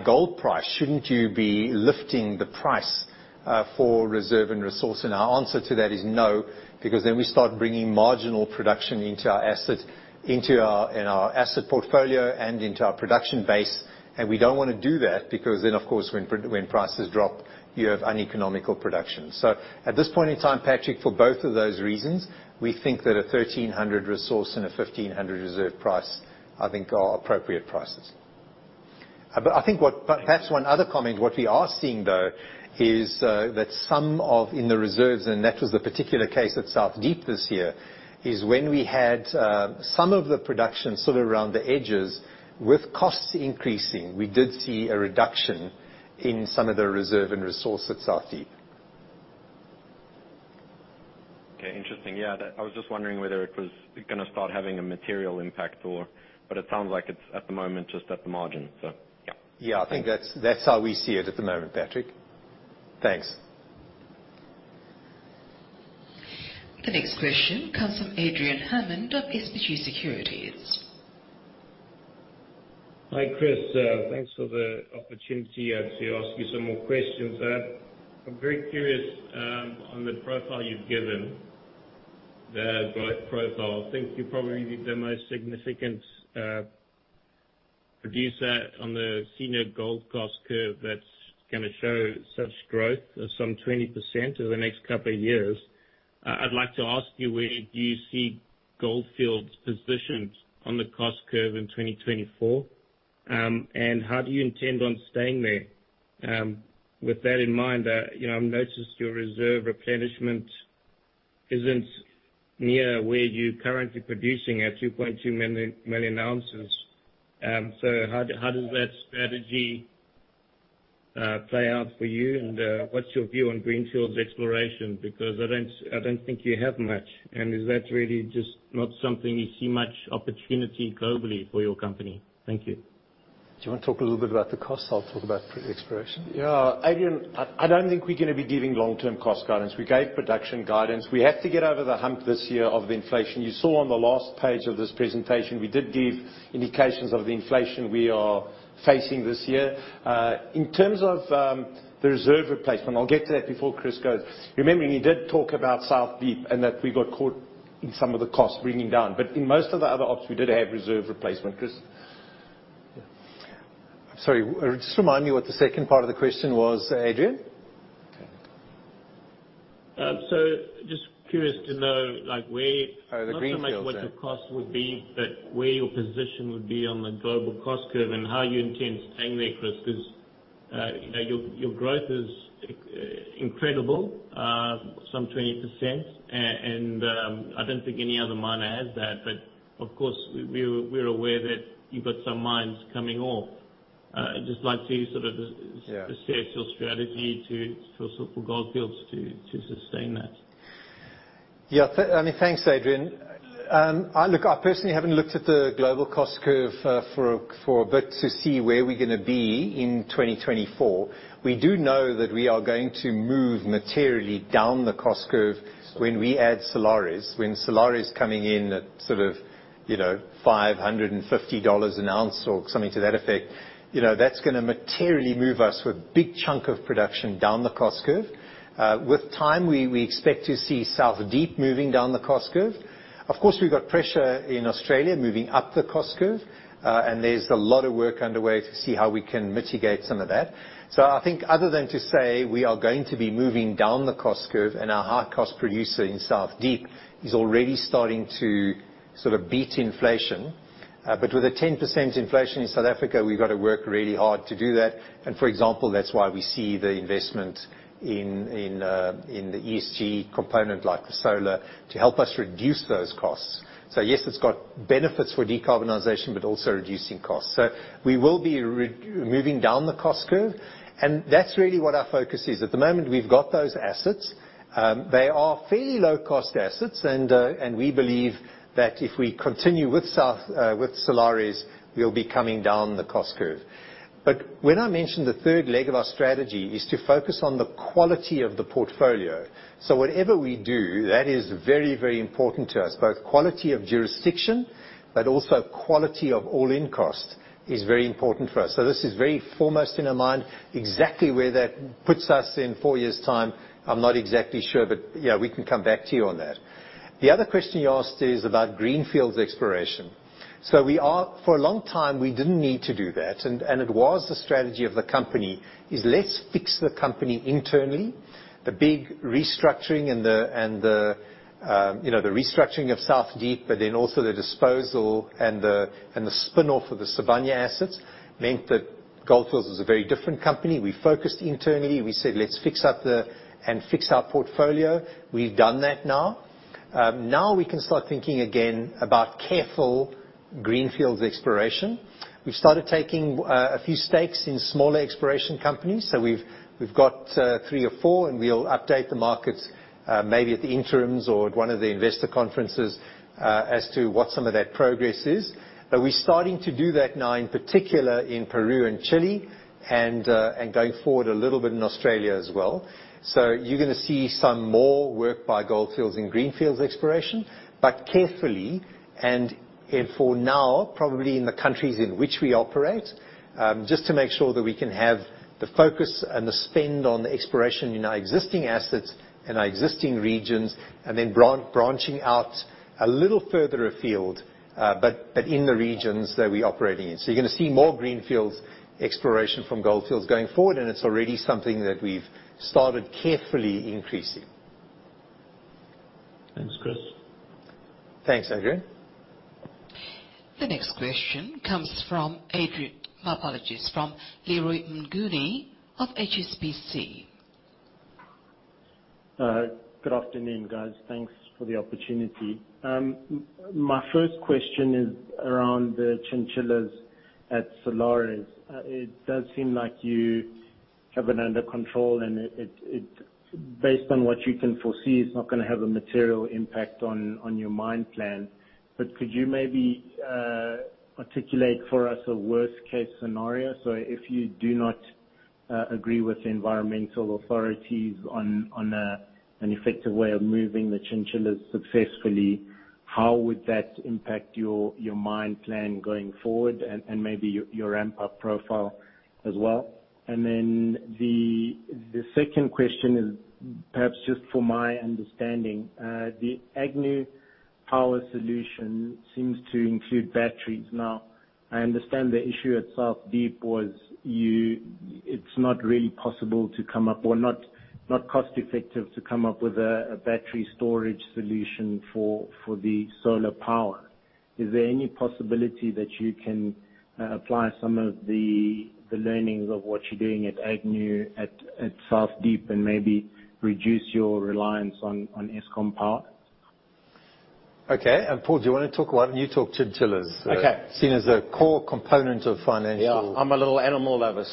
gold price, shouldn't you be lifting the price for reserve and resource?" Our answer to that is no, because then we start bringing marginal production into our asset portfolio and into our production base. We don't wanna do that because then, of course, when prices drop, you have uneconomical production. At this point in time, Patrick, for both of those reasons, we think that a $1,300 resource and a $1,500 reserve price, I think are appropriate prices. Perhaps one other comment, what we are seeing though is that some in the reserves, and that was the particular case at South Deep this year, is when we had some of the production around the edges with costs increasing, we did see a reduction in some of the reserve and resource at South Deep. Okay, interesting. Yeah, I was just wondering whether it was gonna start having a material impact or it sounds like it's at the moment just at the margin. Yeah. Yeah, I think that's how we see it at the moment, Patrick. Thanks. The next question comes from Adrian Hammond of SBG Securities. Hi, Chris. Thanks for the opportunity to ask you some more questions. I'm very curious on the profile you've given, the growth profile. I think you're probably the most significant producer on the senior gold cost curve that's gonna show such growth of some 20% over the next couple of years. I'd like to ask you, where do you see Gold Fields positioned on the cost curve in 2024, and how do you intend on staying there? With that in mind, you know, I've noticed your reserve replenishment isn't near where you're currently producing at 2.2 million ounces. How does that strategy play out for you and what's your view on greenfield exploration because I don't think you have much, and is that really just not something you see much opportunity globally for your company? Thank you. Do you wanna talk a little bit about the costs? I'll talk about exploration. Yeah. Adrian, I don't think we're gonna be giving long-term cost guidance. We gave production guidance. We have to get over the hump this year of the inflation. You saw on the last page of this presentation, we did give indications of the inflation we are facing this year. In terms of the reserve replacement, I'll get to that before Chris goes. Remembering he did talk about South Deep and that we got caught in some of the costs bringing down, but in most of the other ops, we did have reserve replacement. Chris? Sorry. Just remind me what the second part of the question was, Adrian. Okay. Just curious to know, like, where- Oh, the greenfields, yeah. Not so much what the cost would be, but where your position would be on the global cost curve and how you intend staying there, Chris, 'cause you know, your growth is incredible, some 20%. I don't think any other miner has that but, of course, we're aware that you've got some mines coming off. I'd just like to Yeah assess your strategy for Gold Fields to sustain that. Yeah. I mean, thanks, Adrian. Look, I personally haven't looked at the global cost curve for a bit to see where we're gonna be in 2024. We do know that we are going to move materially down the cost curve when we add Salares. When Salares coming in at you know, $550 an ounce or something to that effect. You know, that's gonna materially move us with big chunk of production down the cost curve. With time, we expect to see South Deep moving down the cost curve. Of course, we've got pressure in Australia moving up the cost curve, and there's a lot of work underway to see how we can mitigate some of that. I think other than to say we are going to be moving down the cost curve and our high-cost producer in South Deep is already starting to beat inflation. But with a 10% inflation in South Africa, we've got to work really hard to do that. For example, that's why we see the investment in the ESG component, like the solar, to help us reduce those costs. Yes, it's got benefits for decarbonization but also reducing costs. We will be moving down the cost curve, and that's really what our focus is. At the moment, we've got those assets. They are fairly low-cost assets, and we believe that if we continue with solar, we'll be coming down the cost curve. When I mentioned the third leg of our strategy is to focus on the quality of the portfolio. Whatever we do, that is very, very important to us, both quality of jurisdiction, but also quality of all-in cost is very important for us. This is very foremost in our mind. Exactly where that puts us in four years' time, I'm not exactly sure, but yeah, we can come back to you on that. The other question you asked is about greenfields exploration. For a long time, we didn't need to do that, and it was the strategy of the company is let's fix the company internally. The big restructuring and the, you know, the restructuring of South Deep, but then also the disposal and the spin-off of the Sibanye assets meant that Gold Fields is a very different company. We focused internally. We said, "Let's fix up and fix our portfolio." We've done that now. Now we can start thinking again about careful greenfield exploration. We've started taking a few stakes in smaller exploration companies, so we've got three or four, and we'll update the markets, maybe at the interims or at one of the investor conferences, as to what some of that progress is. We're starting to do that now, in particular in Peru and Chile and going forward a little bit in Australia as well. You're gonna see some more work by Gold Fields in greenfields exploration, but carefully and for now, probably in the countries in which we operate, just to make sure that we can have the focus and the spend on the exploration in our existing assets and our existing regions and then branching out a little further afield, but in the regions that we operate in. You're gonna see more greenfields exploration from Gold Fields going forward, and it's already something that we've started carefully increasing. Thanks, Chris. Thanks, Adrian. The next question comes from Leroy Mnguni of HSBC. Good afternoon, guys. Thanks for the opportunity. My first question is around the chinchillas at Salares. It does seem like you have it under control, and based on what you can foresee, it's not gonna have a material impact on your mine plan. Could you maybe articulate for us a worst case scenario? If you do not agree with the environmental authorities on an effective way of moving the chinchillas successfully, how would that impact your mine plan going forward and maybe your ramp-up profile as well? The second question is perhaps just for my understanding. The Agnew power solution seems to include batteries now. I understand the issue at South Deep was. It's not really possible to come up or not cost effective to come up with a battery storage solution for the solar power. Is there any possibility that you can apply some of the learnings of what you're doing at Agnew at South Deep and maybe reduce your reliance on Eskom power? Okay. Paul, do you wanna talk? Why don't you talk Chile's? Okay. Seen as a core component of financial. Yeah. I'm a little animal lover.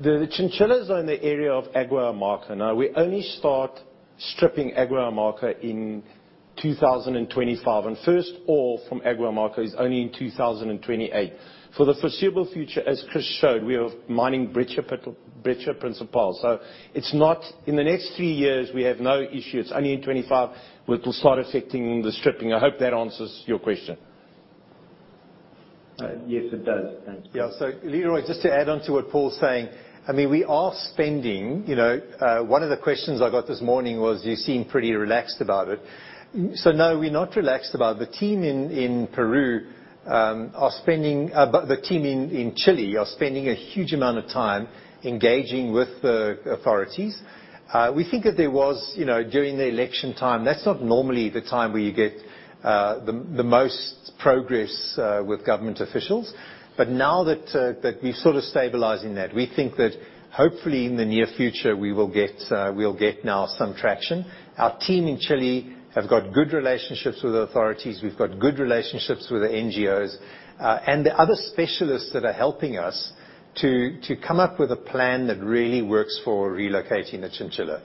The chinchillas are in the area of Agua Amarga. Now, we only start stripping Agua Amarga in 2025, and first ore from Agua Amarga is only in 2028. For the foreseeable future, as Chris showed, we are mining Brecha Principal. It's not. In the next three years, we have no issue. It's only in 2025 where it'll start affecting the stripping. I hope that answers your question. Yes, it does. Thanks. Yeah, Leroy, just to add on to what Paul's saying, I mean, we are spending, you know, one of the questions I got this morning was, you seem pretty relaxed about it. No, we're not relaxed about it. The team in Chile are spending a huge amount of time engaging with the authorities. We think that there was, you know, during the election time, that's not normally the time where you get the most progress with government officials. Now that we're stabilizing that, we think that hopefully in the near future we will get now some traction. Our team in Chile have got good relationships with the authorities. We've got good relationships with the NGOs and the other specialists that are helping us to come up with a plan that really works for relocating the chinchilla.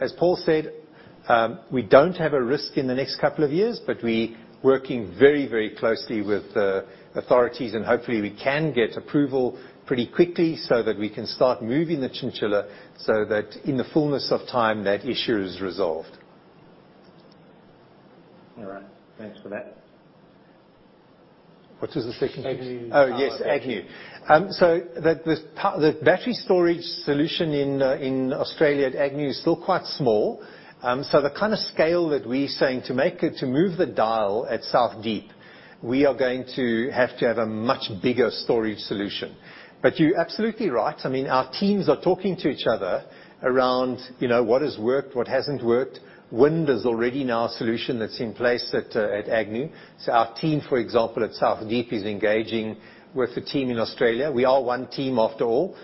As Paul said, we don't have a risk in the next couple of years, but we're working very, very closely with the authorities and hopefully we can get approval pretty quickly so that we can start moving the chinchilla so that in the fullness of time, that issue is resolved. All right. Thanks for that. What was the second piece? Agnew power. Oh, yes, Agnew. The battery storage solution in Australia at Agnew is still quite small. The scale that we're saying to move the dial at South Deep, we are going to have to have a much bigger storage solution. You're absolutely right. I mean, our teams are talking to each other around, you know, what has worked, what hasn't worked. Wind is already now a solution that's in place at Agnew. Our team, for example, at South Deep is engaging with the team in Australia. We are one team after all.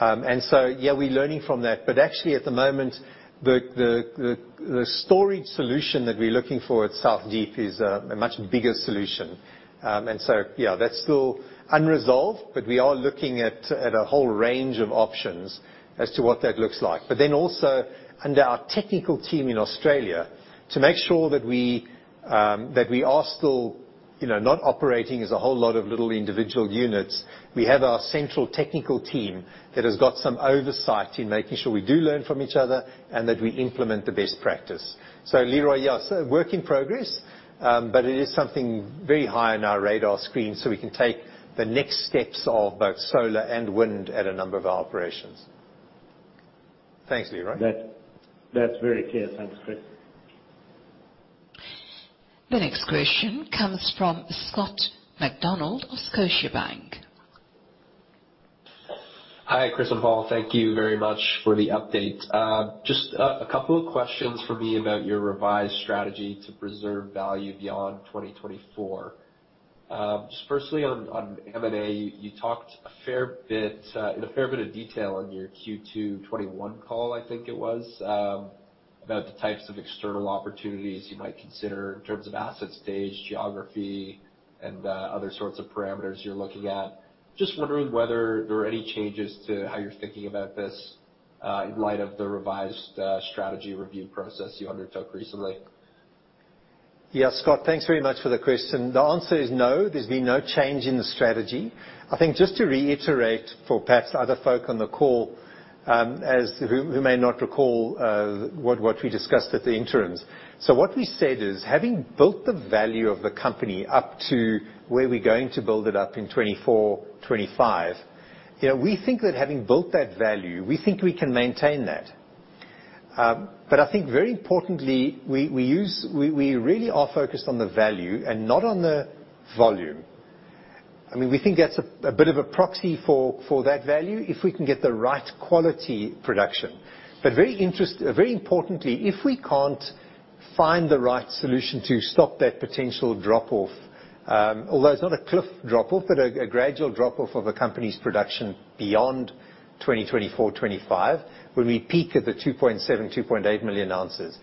Yeah, we're learning from that. Actually at the moment the storage solution that we're looking for at South Deep is a much bigger solution. Yeah, that's still unresolved, but we are looking at a whole range of options as to what that looks like. Also under our technical team in Australia, to make sure that we are still, you know, not operating as a whole lot of little individual units, we have our central technical team that has got some oversight in making sure we do learn from each other and that we implement the best practice. Leroy, yes, a work in progress, but it is something very high on our radar screen, so we can take the next steps of both solar and wind at a number of our operations. Thanks, Leroy. That, that's very clear. Thanks, Chris. The next question comes from Scott MacDonald of Scotiabank. Hi, Chris and Paul. Thank you very much for the update. Just a couple of questions for me about your revised strategy to preserve value beyond 2024. Firstly, on M&A, you talked a fair bit in a fair bit of detail on your Q2 2021 call, I think it was, about the types of external opportunities you might consider in terms of asset stage, geography, and other sorts of parameters you're looking at. Just wondering whether there are any changes to how you're thinking about this, in light of the revised strategy review process you undertook recently. Yeah, Scott, thanks very much for the question. The answer is no, there's been no change in the strategy. I think just to reiterate for perhaps other folk on the call, who may not recall, what we discussed at the interim. What we said is, having built the value of the company up to where we're going to build it up in 2024, 2025, you know, we think that having built that value, we think we can maintain that. I think very importantly, we really are focused on the value and not on the volume. I mean, we think that's a bit of a proxy for that value if we can get the right quality production. Very importantly, if we can't find the right solution to stop that potential drop-off, although it's not a cliff drop-off, but a gradual drop-off of a company's production beyond 2024-2025, when we peak at 2.7-2.8 million ounces.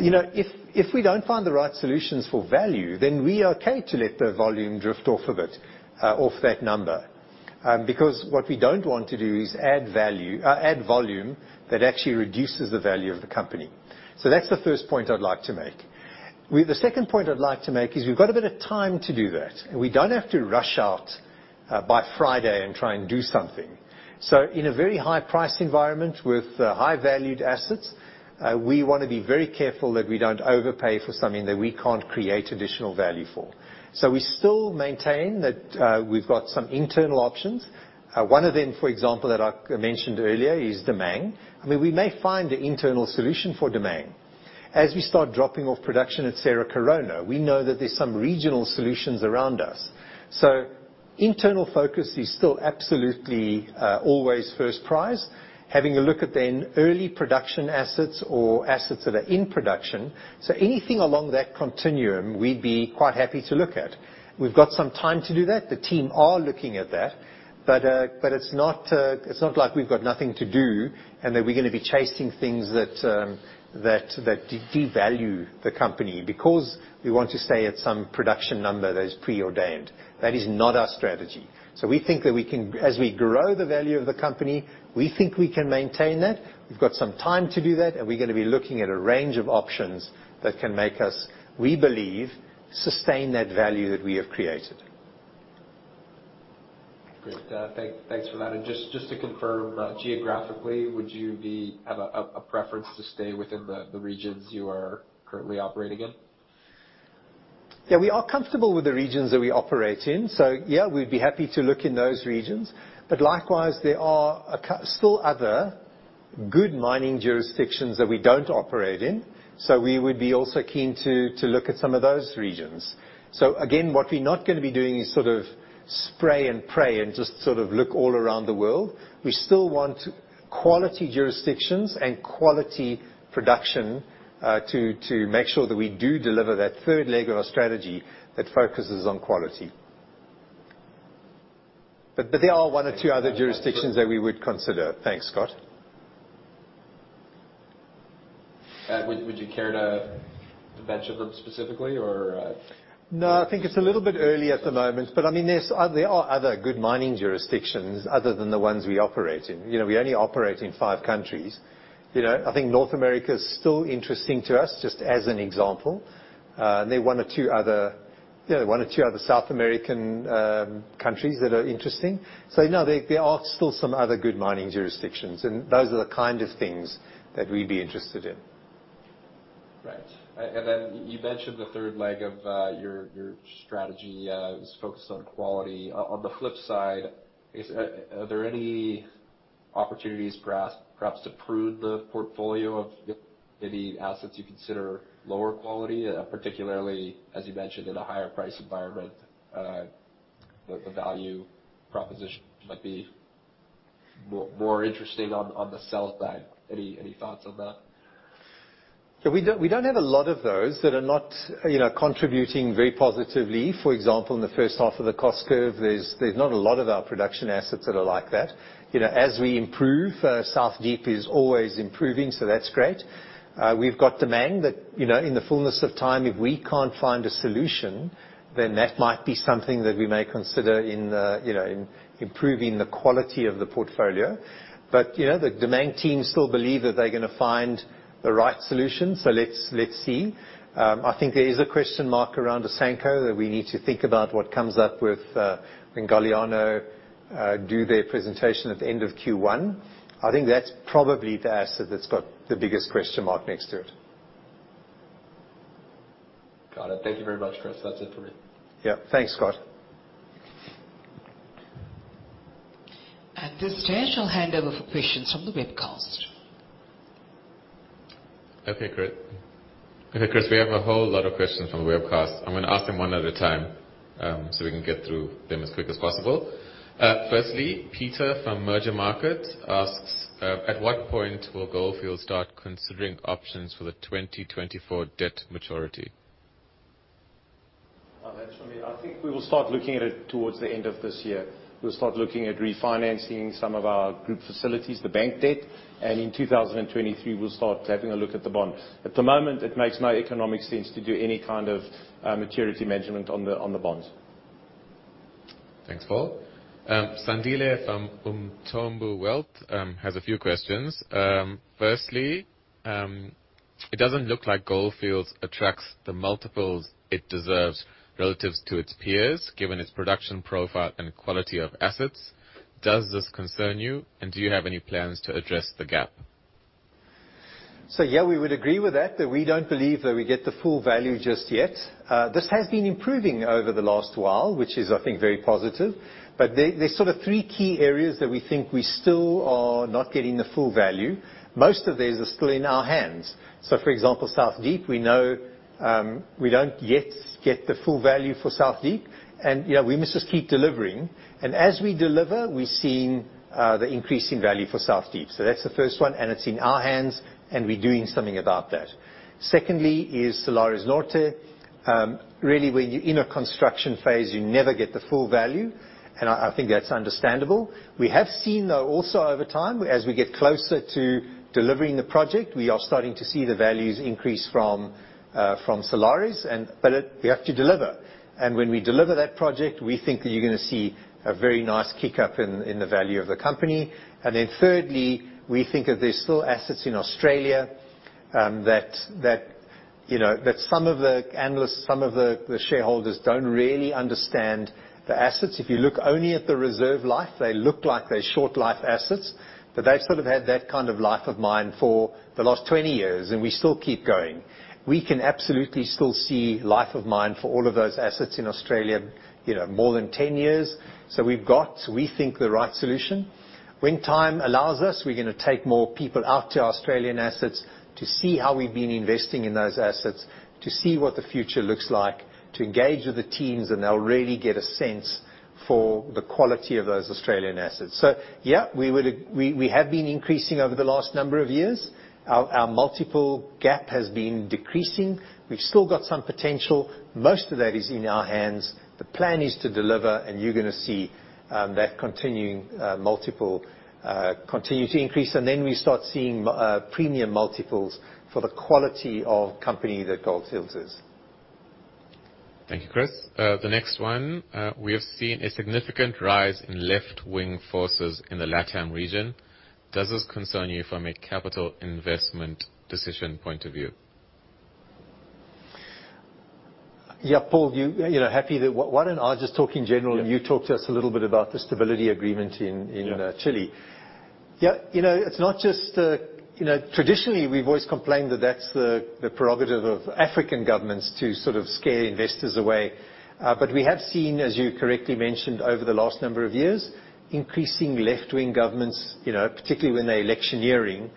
You know, if we don't find the right solutions for value, then we are okay to let the volume drift off a bit, off that number. Because what we don't want to do is add volume that actually reduces the value of the company. That's the first point I'd like to make. The second point I'd like to make is we've got a bit of time to do that, and we don't have to rush out by Friday and try and do something. In a very high price environment with high valued assets, we wanna be very careful that we don't overpay for something that we can't create additional value for. We still maintain that we've got some internal options. One of them, for example, that I mentioned earlier is Damang. I mean, we may find an internal solution for Damang. As we start dropping off production at Cerro Corona, we know that there's some regional solutions around us. Internal focus is still absolutely always first prize, having a look at the early production assets or assets that are in production. Anything along that continuum, we'd be quite happy to look at. We've got some time to do that. The team are looking at that. It's not like we've got nothing to do and that we're gonna be chasing things that devalue the company because we want to stay at some production number that is preordained. That is not our strategy. We think that we can, as we grow the value of the company, we think we can maintain that. We've got some time to do that, and we're gonna be looking at a range of options that can make us, we believe, sustain that value that we have created. Great. Thanks for that. Just to confirm, geographically, would you have a preference to stay within the regions you are currently operating in? Yeah. We are comfortable with the regions that we operate in. Yeah, we'd be happy to look in those regions. Likewise, there are still other good mining jurisdictions that we don't operate in. We would be also keen to look at some of those regions. Again, what we're not gonna be doing is spray and pray and just look all around the world. We still want quality jurisdictions and quality production to make sure that we do deliver that third leg of our strategy that focuses on quality. There are one or two other jurisdictions that we would consider. Thanks, Scott. Would you care to mention them specifically or? No, I think it's a little bit early at the moment. I mean, there are other good mining jurisdictions other than the ones we operate in. You know, we only operate in five countries. You know, I think North America is still interesting to us, just as an example. There are one or two other, you know, one or two other South American countries that are interesting. No, there are still some other good mining jurisdictions, and those are the things that we'd be interested in. Right. You mentioned the third leg of your strategy is focused on quality. On the flip side, I guess, are there any opportunities perhaps to prune the portfolio of any assets you consider lower quality, particularly, as you mentioned, in a higher price environment, the value proposition might be more interesting on the sell side. Any thoughts on that? Yeah, we don't have a lot of those that are not, you know, contributing very positively. For example, in the first half of the cost curve, there's not a lot of our production assets that are like that. You know, as we improve, South Deep is always improving, so that's great. We've got Damang that, you know, in the fullness of time, if we can't find a solution, then that might be something that we may consider in, you know, in improving the quality of the portfolio, but, you know, the Damang team still believe that they're gonna find the right solution. So let's see. I think there is a question mark around Asanko that we need to think about what comes up with when Galiano do their presentation at the end of Q1. I think that's probably the asset that's got the biggest question mark next to it. Got it. Thank you very much, Chris. That's it for me. Yeah. Thanks, Scott. At this stage, I'll hand over for questions from the webcast. Okay, great. Okay, Chris, we have a whole lot of questions from the webcast. I'm gonna ask them one at a time, so we can get through them as quick as possible. Firstly, Peter from Mergermarket asks, "At what point will Gold Fields start considering options for the 2024 debt maturity? That's for me. I think we will start looking at it towards the end of this year. We'll start looking at refinancing some of our group facilities, the bank debt. In 2023, we'll start having a look at the bond. At the moment, it makes no economic sense to do any maturity management on the bonds. Thanks, Paul. Sandile from Umthombo Wealth has a few questions. Firstly, it doesn't look like Gold Fields attracts the multiples it deserves relative to its peers, given its production profile and quality of assets. Does this concern you, and do you have any plans to address the gap? Yeah, we would agree with that we don't believe that we get the full value just yet. This has been improving over the last while, which is, I think, very positive. There, there's three key areas that we think we still are not getting the full value. Most of these are still in our hands. For example, South Deep, we know, we don't yet get the full value for South Deep. And, you know, we must just keep delivering. And as we deliver, we're seeing, the increase in value for South Deep. That's the first one, and it's in our hands, and we're doing something about that. Secondly is Salares Norte. Really when you're in a construction phase, you never get the full value, and I think that's understandable. We have seen, though, also over time, as we get closer to delivering the project, we are starting to see the values increase from Solaris, but we have to deliver. When we deliver that project, we think that you're gonna see a very nice kick-up in the value of the company. Thirdly, we think that there's still assets in Australia that you know that some of the analysts, some of the shareholders don't really understand the assets. If you look only at the reserve life, they look like they're short life assets. They've had that life of mine for the last 20 years, and we still keep going. We can absolutely still see life of mine for all of those assets in Australia, you know, more than 10 years. We've got, we think, the right solution. When time allows us, we're gonna take more people out to Australian assets to see how we've been investing in those assets, to see what the future looks like, to engage with the teams, and they'll really get a sense for the quality of those Australian assets. Yeah, we have been increasing over the last number of years. Our multiple gap has been decreasing. We've still got some potential. Most of that is in our hands. The plan is to deliver, and you're gonna see that continuing multiple continue to increase. Then we start seeing premium multiples for the quality of company that Gold Fields is. Thank you, Chris. We have seen a significant rise in left-wing forces in the LatAm region. Does this concern you from a capital investment decision point of view? Yeah, Paul, you know, why don't I just talk in general- Yeah. You talk to us a little bit about the stability agreement in Chile. Yeah, you know, it's not just traditionally we've always complained that that's the prerogative of African governments to scare investors away. We have seen, as you correctly mentioned, over the last number of years, increasing left-wing governments, you know, particularly when they're electioneering,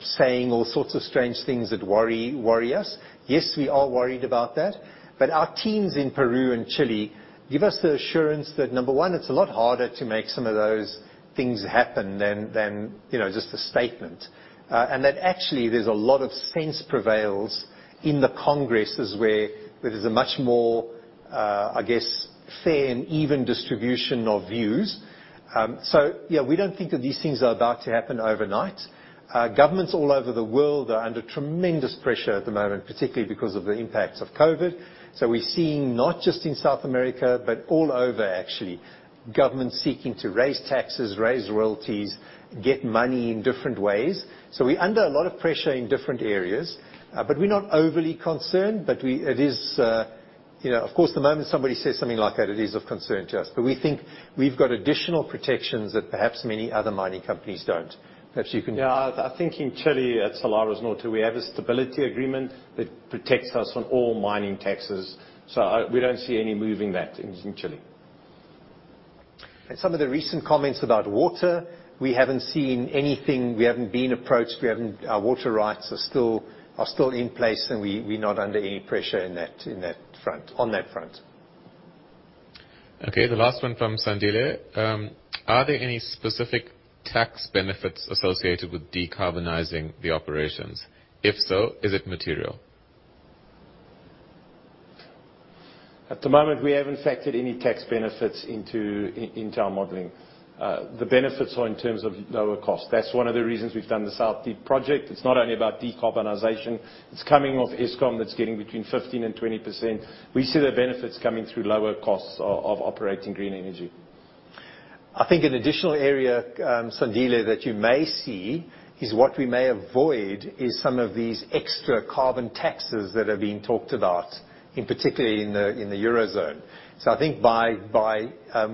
saying all sorts of strange things that worry us. Yes, we are worried about that. Our teams in Peru and Chile give us the assurance that, number one, it's a lot harder to make some of those things happen than you know, just a statement. And that actually, there's a lot of sense prevails in the congresses where there's a much more, I guess, fair and even distribution of views. Yeah, we don't think that these things are about to happen overnight. Governments all over the world are under tremendous pressure at the moment, particularly because of the impacts of COVID. We're seeing, not just in South America, but all over actually, governments seeking to raise taxes, raise royalties, get money in different ways. We're under a lot of pressure in different areas, but we're not overly concerned. It is, you know, of course, the moment somebody says something like that, it is of concern to us. We think we've got additional protections that perhaps many other mining companies don't. Perhaps you can- Yeah. I think in Chile, at Salares Norte, we have a stability agreement that protects us from all mining taxes, so we don't see any move in that in Chile. Some of the recent comments about water, we haven't seen anything. We haven't been approached. Our water rights are still in place, and we're not under any pressure on that front. Okay. The last one from Sandile. Are there any specific tax benefits associated with decarbonizing the operations? If so, is it material? At the moment, we haven't factored any tax benefits into our modeling. The benefits are in terms of lower cost. That's one of the reasons we've done the South Deep project. It's not only about decarbonization. It's coming off Eskom that's getting between 15%-20%. We see the benefits coming through lower costs of operating green energy. I think an additional area, Sandile, that you may see is what we may avoid is some of these extra carbon taxes that are being talked about, in particular, in the Eurozone. I think by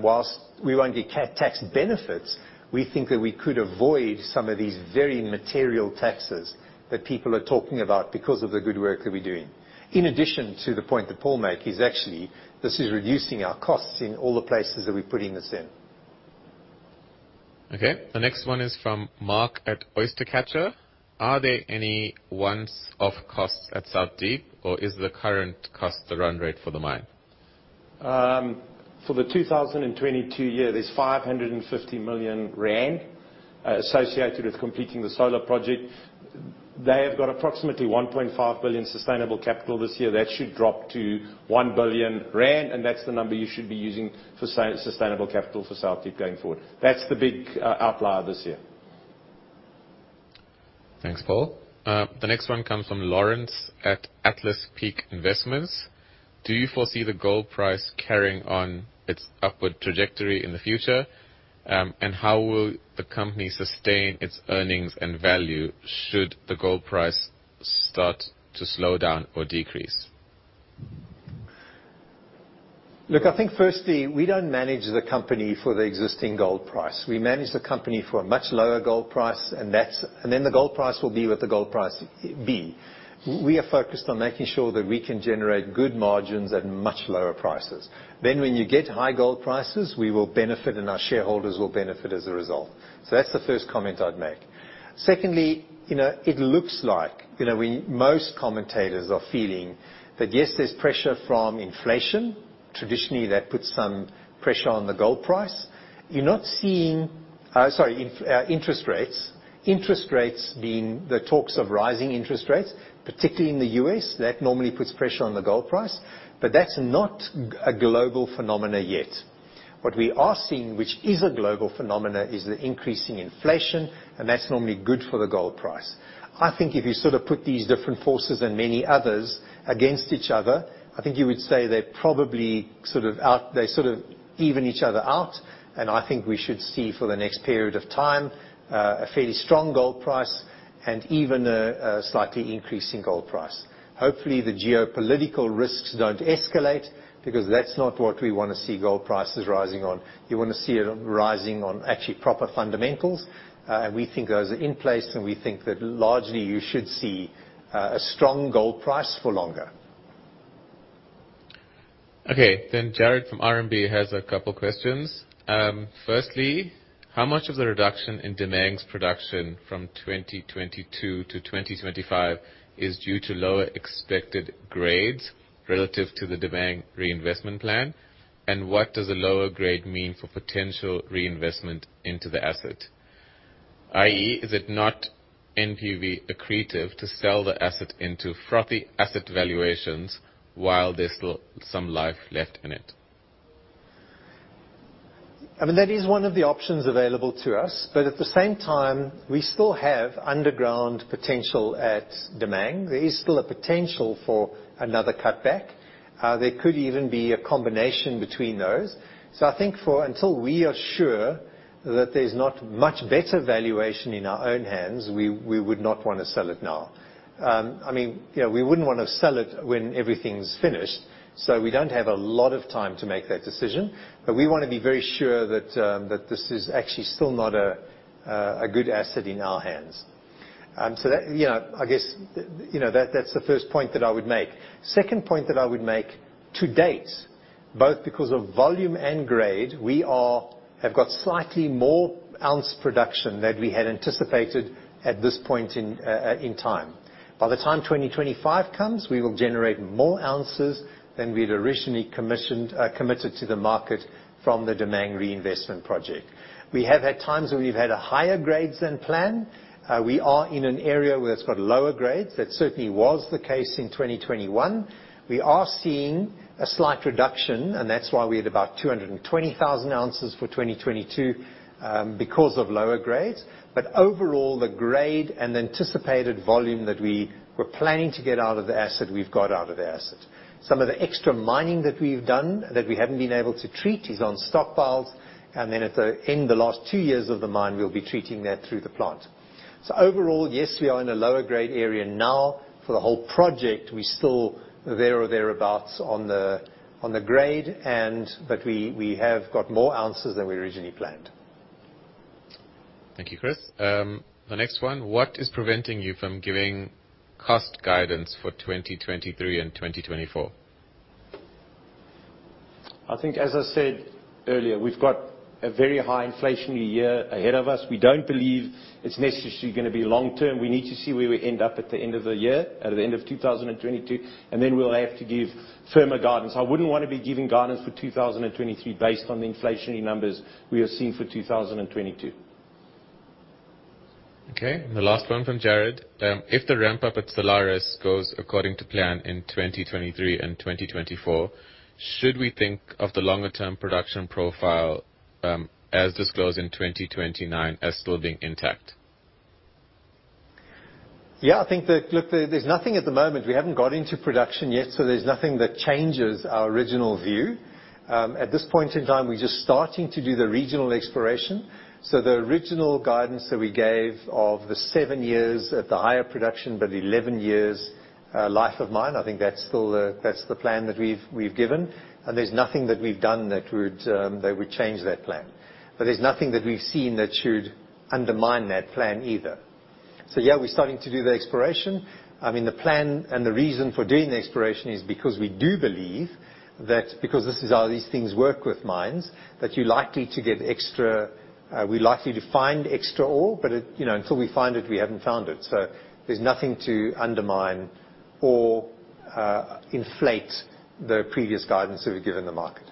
whilst we won't get tax benefits, we think that we could avoid some of these very material taxes that people are talking about because of the good work that we're doing. In addition to the point that Paul makes, actually this is reducing our costs in all the places that we're putting this in. Okay. The next one is from Mark at Oyster Catcher. Are there any one-off costs at South Deep or is the current cost the run rate for the mine? For the 2022 year, there's 550 million rand associated with completing the solar project. They have got approximately 1.5 billion sustaining capital this year. That should drop to 1 billion rand, and that's the number you should be using for sustaining capital for South Deep going forward. That's the big outlier this year. Thanks, Paul. The next one comes from Lawrence at Atlas Peak Investments. Do you foresee the gold price carrying on its upward trajectory in the future? And how will the company sustain its earnings and value should the gold price start to slow down or decrease? Look, I think firstly, we don't manage the company for the existing gold price. We manage the company for a much lower gold price, and then the gold price will be what the gold price be. We are focused on making sure that we can generate good margins at much lower prices. When you get high gold prices, we will benefit and our shareholders will benefit as a result. That's the first comment I'd make. Secondly, you know, it looks like, you know, most commentators are feeling that yes, there's pressure from inflation. Traditionally, that puts some pressure on the gold price. You're not seeing interest rates. Interest rates being the talk of rising interest rates, particularly in the U.S., that normally puts pressure on the gold price. That's not a global phenomenon yet. What we are seeing, which is a global phenomenon, is the increasing inflation, and that's normally good for the gold price. I think if you put these different forces and many others against each other, I think you would say they probably even each other out, and I think we should see for the next period of time, a fairly strong gold price and even a slight increase in gold price. Hopefully, the geopolitical risks don't escalate because that's not what we wanna see gold prices rising on. You wanna see it rising on actually proper fundamentals. We think those are in place, and we think that largely you should see, a strong gold price for longer. Okay. Jared from RMB has a couple questions. Firstly, how much of the reduction in Damang's production from 2022 to 2025 is due to lower expected grades relative to the Damang reinvestment plan? And what does a lower grade mean for potential reinvestment into the asset? i.e., is it not NPV accretive to sell the asset into frothy asset valuations while there's still some life left in it? I mean, that is one of the options available to us, but at the same time, we still have underground potential at Damang. There is still a potential for another cutback. There could even be a combination between those. I think until we are sure that there's not much better valuation in our own hands, we would not wanna sell it now. I mean, you know, we wouldn't wanna sell it when everything's finished, so we don't have a lot of time to make that decision. We wanna be very sure that this is actually still not a good asset in our hands, so that you know, I guess, that's the first point that I would make. Second point that I would make, to date, both because of volume and grade, we have got slightly more ounce production than we had anticipated at this point in time. By the time 2025 comes, we will generate more ounces than we'd originally commissioned, committed to the market from the Damang Reinvestment Project. We have had times where we've had a higher grades than planned. We are in an area where it's got lower grades. That certainly was the case in 2021. We are seeing a slight reduction, and that's why we had about 200,000 ounces for 2022, because of lower grades. But overall, the grade and anticipated volume that we were planning to get out of the asset, we've got out of the asset. Some of the extra mining that we've done that we haven't been able to treat is on stockpiles. Then at the end, the last two years of the mine, we'll be treating that through the plant. Overall, yes, we are in a lower grade area now. For the whole project, we're still there or thereabouts on the grade, but we have got more ounces than we originally planned. Thank you, Chris. The next one, what is preventing you from giving cost guidance for 2023 and 2024? I think as I said earlier, we've got a very high inflationary year ahead of us. We don't believe it's necessarily gonna be long term. We need to see where we end up at the end of the year, at the end of 2022, and then we'll have to give firmer guidance. I wouldn't want to be giving guidance for 2023 based on the inflationary numbers we are seeing for 2022. Okay. The last one from Jared. If the ramp up at Salares goes according to plan in 2023 and 2024, should we think of the longer term production profile, as disclosed in 2029 as still being intact? Yeah, I think that, look, there's nothing at the moment. We haven't got into production yet, so there's nothing that changes our original view. At this point in time, we're just starting to do the regional exploration. The original guidance that we gave of the 7 years at the higher production, but 11 years life of mine, I think that's still the plan that we've given. There's nothing that we've done that would change that plan. There's nothing that we've seen that should undermine that plan either. Yeah, we're starting to do the exploration. I mean, the plan and the reason for doing the exploration is because we do believe that because this is how these things work with mines, that you're likely to get extra, we're likely to find extra ore, but it, you know, until we find it, we haven't found it. There's nothing to undermine or inflate the previous guidance that we've given the market.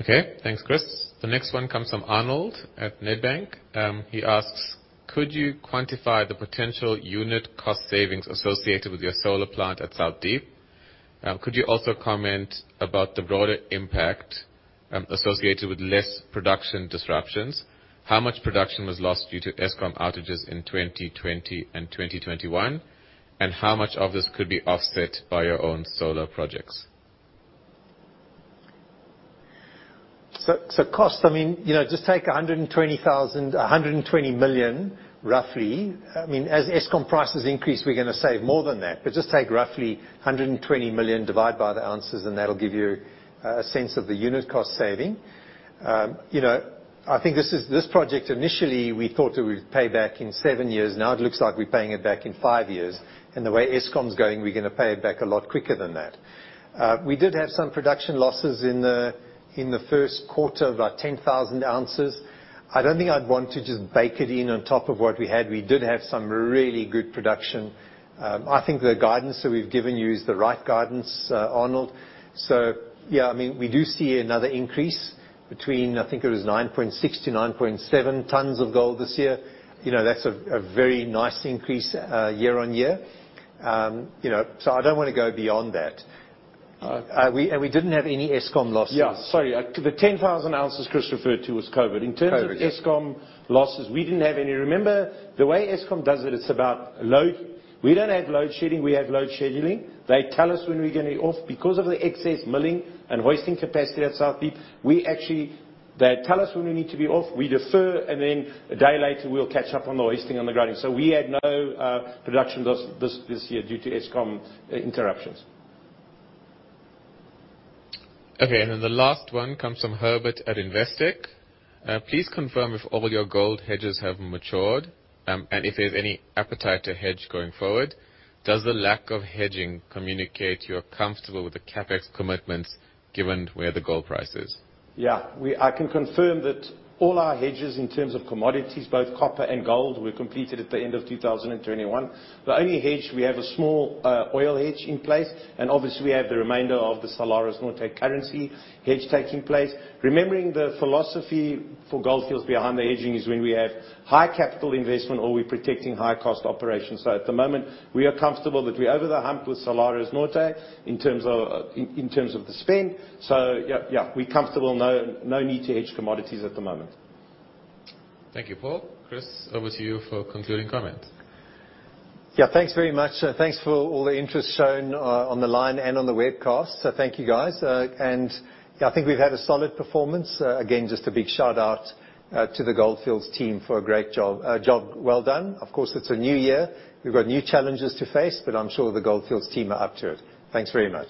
Okay. Thanks, Chris. The next one comes from Arnold at Nedbank. He asks, "Could you quantify the potential unit cost savings associated with your solar plant at South Deep? Could you also comment about the broader impact associated with less production disruptions? How much production was lost due to Eskom outages in 2020 and 2021, and how much of this could be offset by your own solar projects? The cost, I mean, you know, just take $120,000, $100 million, roughly. As Eskom prices increase, we're gonna save more than that. Just take roughly $120 million, divide by the ounces, and that'll give you a sense of the unit cost saving. You know, I think this project, initially, we thought it would pay back in 7 years. Now it looks like we're paying it back in 5 years. The way Eskom's going, we're gonna pay it back a lot quicker than that. We did have some production losses in the Q1, about 10,000 ounces. I don't think I'd want to just bake it in on top of what we had. We did have some really good production. I think the guidance that we've given you is the right guidance, Arnold. Yeah, I mean, we do see another increase between, I think it was 9.6-9.7 tons of gold this year. You know, that's a very nice increase year-on-year. You know, I don't wanna go beyond that. We didn't have any Eskom losses. Yeah, sorry. The 10,000 ounces Chris referred to was COVID. COVID, yeah. In terms of Eskom losses, we didn't have any. Remember, the way Eskom does it's about load. We don't have load shedding, we have load scheduling. They tell us when we're gonna be off. Because of the excess milling and hoisting capacity at South Deep, they tell us when we need to be off, we defer, and then a day later, we'll catch up on the hoisting and the grading. We had no production loss this year due to Eskom interruptions. Okay. Then the last one comes from Herbert at Investec. Please confirm if all your gold hedges have matured, and if there's any appetite to hedge going forward. Does the lack of hedging communicate you're comfortable with the CapEx commitments, given where the gold price is? Yeah. I can confirm that all our hedges in terms of commodities, both copper and gold, were completed at the end of 2021. The only hedge we have, a small oil hedge in place, and obviously we have the remainder of the Salares Norte currency hedge taking place. Remembering the philosophy for Gold Fields behind the hedging is when we have high capital investment or we're protecting high cost operations. At the moment, we are comfortable that we're over the hump with Salares Norte in terms of the spend. Yeah, we're comfortable. No need to hedge commodities at the moment. Thank you, Paul. Chris, over to you for concluding comment. Yeah. Thanks very much. Thanks for all the interest shown on the line and on the webcast. Thank you, guys. Yeah, I think we've had a solid performance. Again, just a big shout-out to the Gold Fields team for a great job, a job well done. Of course, it's a new year. We've got new challenges to face, but I'm sure the Gold Fields team are up to it. Thanks very much.